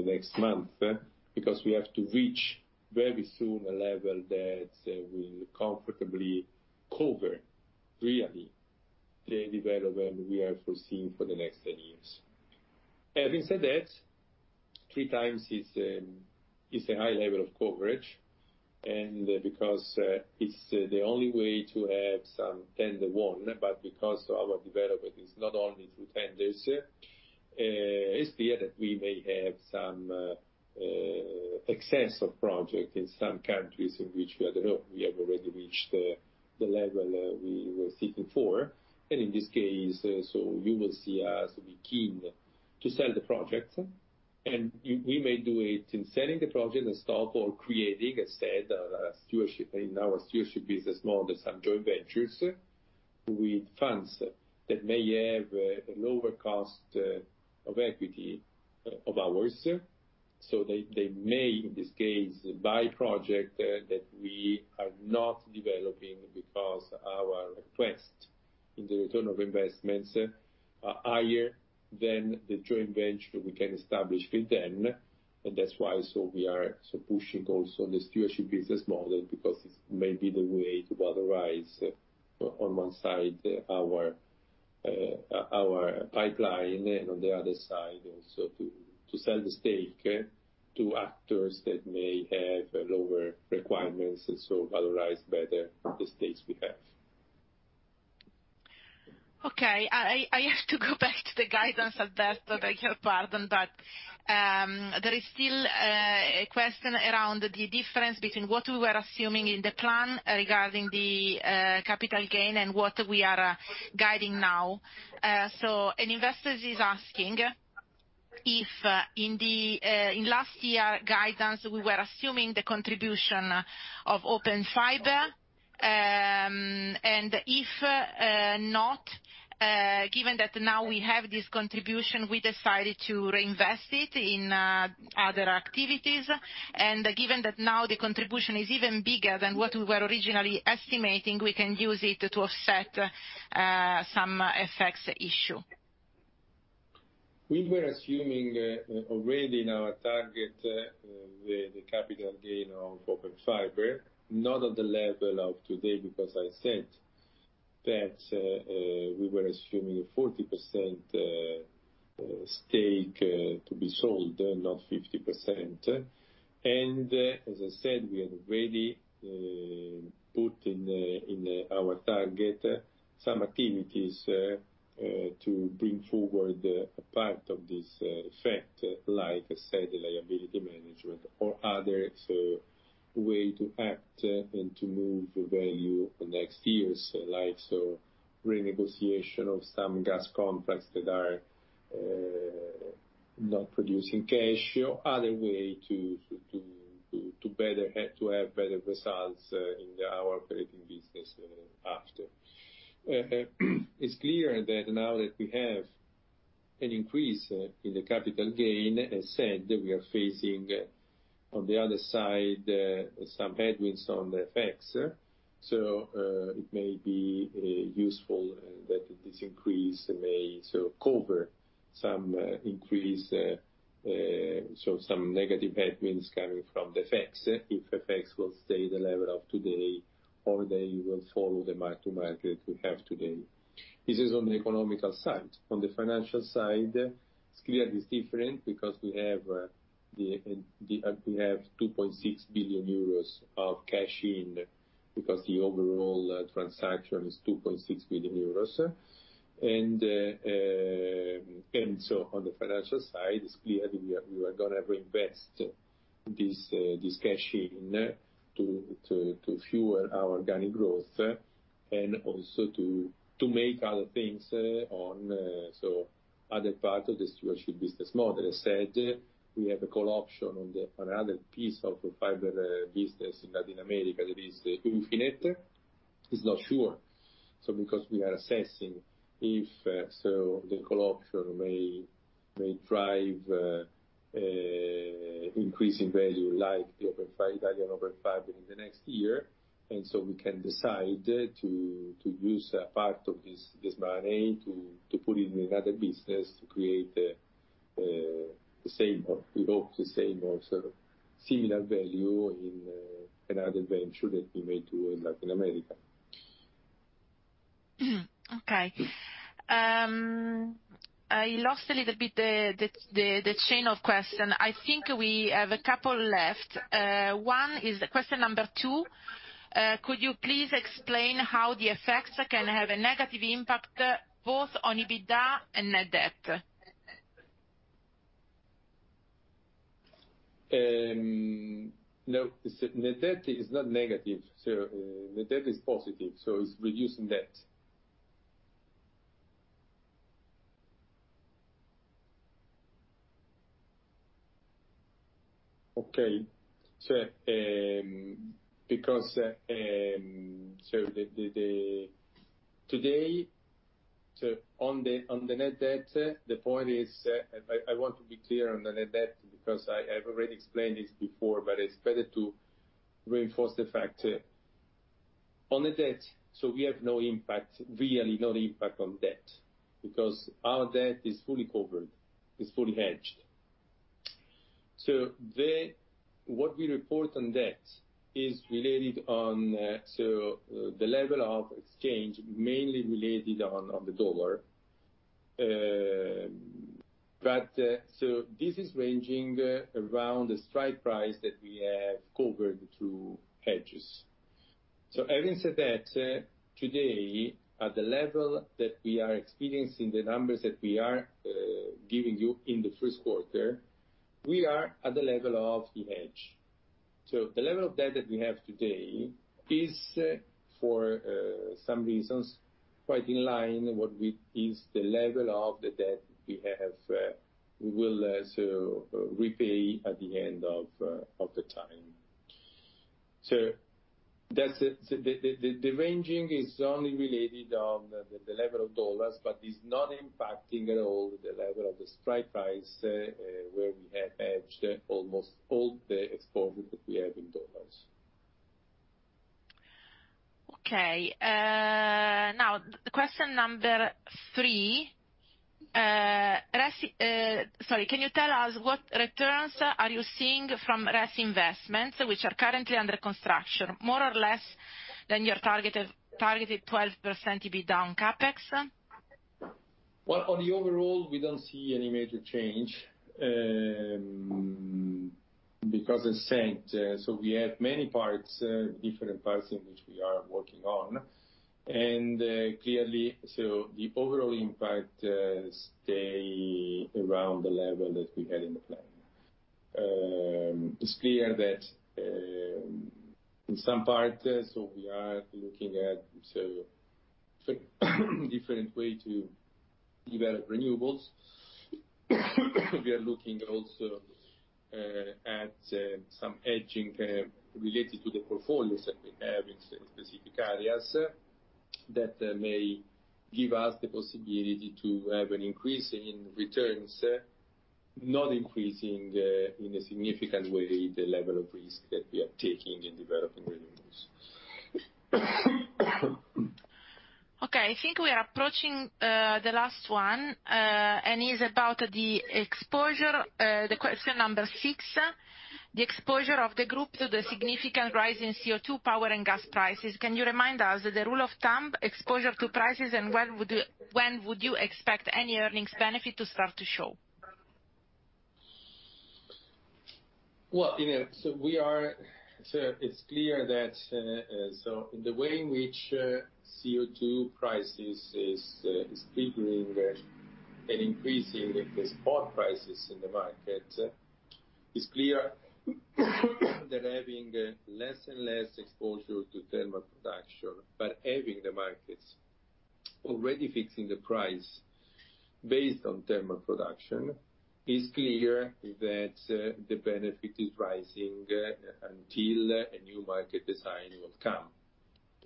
next month, because we have to reach very soon a level that will comfortably cover, really, the development we are foreseeing for the next 10 years. Having said that, three times is a high level of coverage, and because it's the only way to have some tender won, but because our development is not only through tenders, it's clear that we may have some excess of project in some countries in which we have already reached the level we were seeking for. In this case, you will see us be keen to sell the projects. We may do it in selling the project and stop or creating, instead, in our stewardship business model, some joint ventures with funds that may have a lower cost of equity of ours. So they may, in this case, buy project that we are not developing because our request in the return of investments are higher than the joint venture we can establish with them. And that's why we are pushing also the stewardship business model, because it may be the way to valorize, on one side, our pipeline, and on the other side, also to sell the stake to actors that may have lower requirements and so valorize better the stakes we have. Okay. I have to go back to the guidance, Alberto. I beg your pardon, but there is still a question around the difference between what we were assuming in the plan regarding the capital gain and what we are guiding now. An investor is asking if in last year guidance, we were assuming the contribution of Open Fiber. If not, given that now we have this contribution, we decided to reinvest it in other activities. Given that now the contribution is even bigger than what we were originally estimating, we can use it to offset some effects issue. We were assuming already in our target, the capital gain of Open Fiber, not at the level of today, because I said that we were assuming a 40% stake to be sold, not 50%. As I said, we had already put in our target some activities to bring forward a part of this effect, like I said, liability management or other way to act and to move the value next years, like renegotiation of some gas contracts that are not producing cash or other way to have better results in our operating business after. It's clear that now that we have an increase in the capital gain, as said, we are facing on the other side, some headwinds on the effects. It may be useful that this increase may cover some increase, some negative headwinds coming from the effects, if effects will stay the level of today or they will follow the mark to market we have today. This is on the economical side. On the financial side, it's clear it's different because we have 2.6 billion euros of cash in because the overall transaction is 2.6 billion euros. On the financial side, it's clear we are going to reinvest this cash in to fuel our organic growth and also to make other things on other parts of the stewardship business model. As said, we have a call option on another piece of the fiber business in Latin America that is Ufinet. It's not sure, because we are assessing if the call option may drive increase in value, like the Italian Open Fiber in the next year. We can decide to use a part of this money to put in another business to create, we hope, the same or similar value in another venture that we may do in Latin America. Okay. I lost a little bit the chain of question. I think we have a couple left. One is question number two. Could you please explain how the FX can have a negative impact both on EBITDA and net debt? No, net debt is not negative. Net debt is positive, so it's reducing debt. Okay. On the net debt, I want to be clear on the net debt because I have already explained this before, but it's better to reinforce the fact. On net debt, we have no impact, really no impact on debt, because our debt is fully covered, it's fully hedged. What we report on debt is related on the level of exchange, mainly related on the dollar. This is ranging around the strike price that we have covered through hedges. Having said that, today, at the level that we are experiencing, the numbers that we are giving you in the first quarter, we are at the level of the hedge. The level of debt that we have today is, for some reasons, quite in line with what is the level of the debt we will repay at the end of the time. The ranging is only related on the level of U.S. dollars, but is not impacting at all the level of the strike price, where we have hedged almost all the exposure that we have in U.S. dollars. Okay. Question three. Sorry, can you tell us what returns are you seeing from RES investments, which are currently under construction, more or less than your targeted 12% EBITDA on CapEx? Well, on the overall, we don't see any major change, because as said, so we have many parts, different parts in which we are working on. Clearly, the overall impact stay around the level that we had in the plan. It's clear that in some parts, so we are looking at different way to develop renewables. We are looking also at some hedging related to the portfolios that we have in specific areas, that may give us the possibility to have an increase in returns, not increasing in a significant way the level of risk that we are taking in developing renewables. Okay, I think we are approaching the last one, and is about the exposure, the question number six. The exposure of the group to the significant rise in CO2 power and gas prices. Can you remind us the rule of thumb, exposure to prices, and when would you expect any earnings benefit to start to show? Well, it's clear that, in the way in which CO2 prices is figuring and increasing the spot prices in the market, it's clear that having less and less exposure to thermal production, but having the markets already fixing the price based on thermal production, it's clear that the benefit is rising until a new market design will come.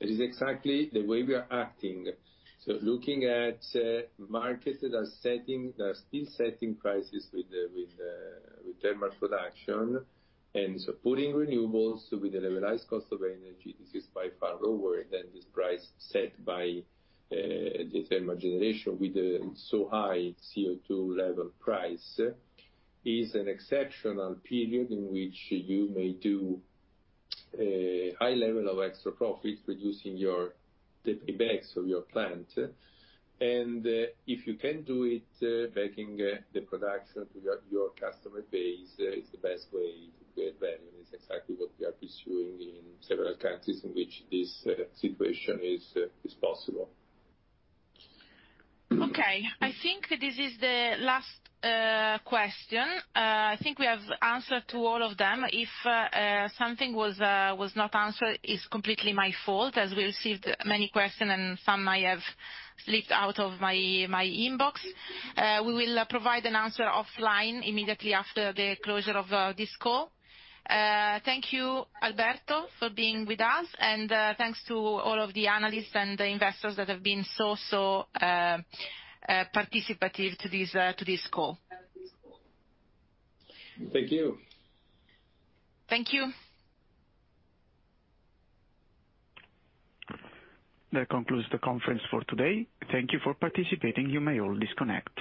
That is exactly the way we are acting. Looking at markets that are still setting prices with thermal production And so putting renewables with the levelized cost of energy, this is by far lower than this price set by the thermal generation with a so high CO2 level price, is an exceptional period in which you may do a high level of extra profits, reducing the paybacks of your plant. If you can do it, backing the production to your customer base is the best way to create value, and it's exactly what we are pursuing in several countries in which this situation is possible. Okay. I think this is the last question. I think we have answered to all of them. If something was not answered, it's completely my fault, as we received many questions and some might have slipped out of my inbox. We will provide an answer offline immediately after the closure of this call. Thank you, Alberto, for being with us, and thanks to all of the analysts and the investors that have been so participative to this call. Thank you. Thank you. That concludes the conference for today. Thank you for participating. You may all disconnect.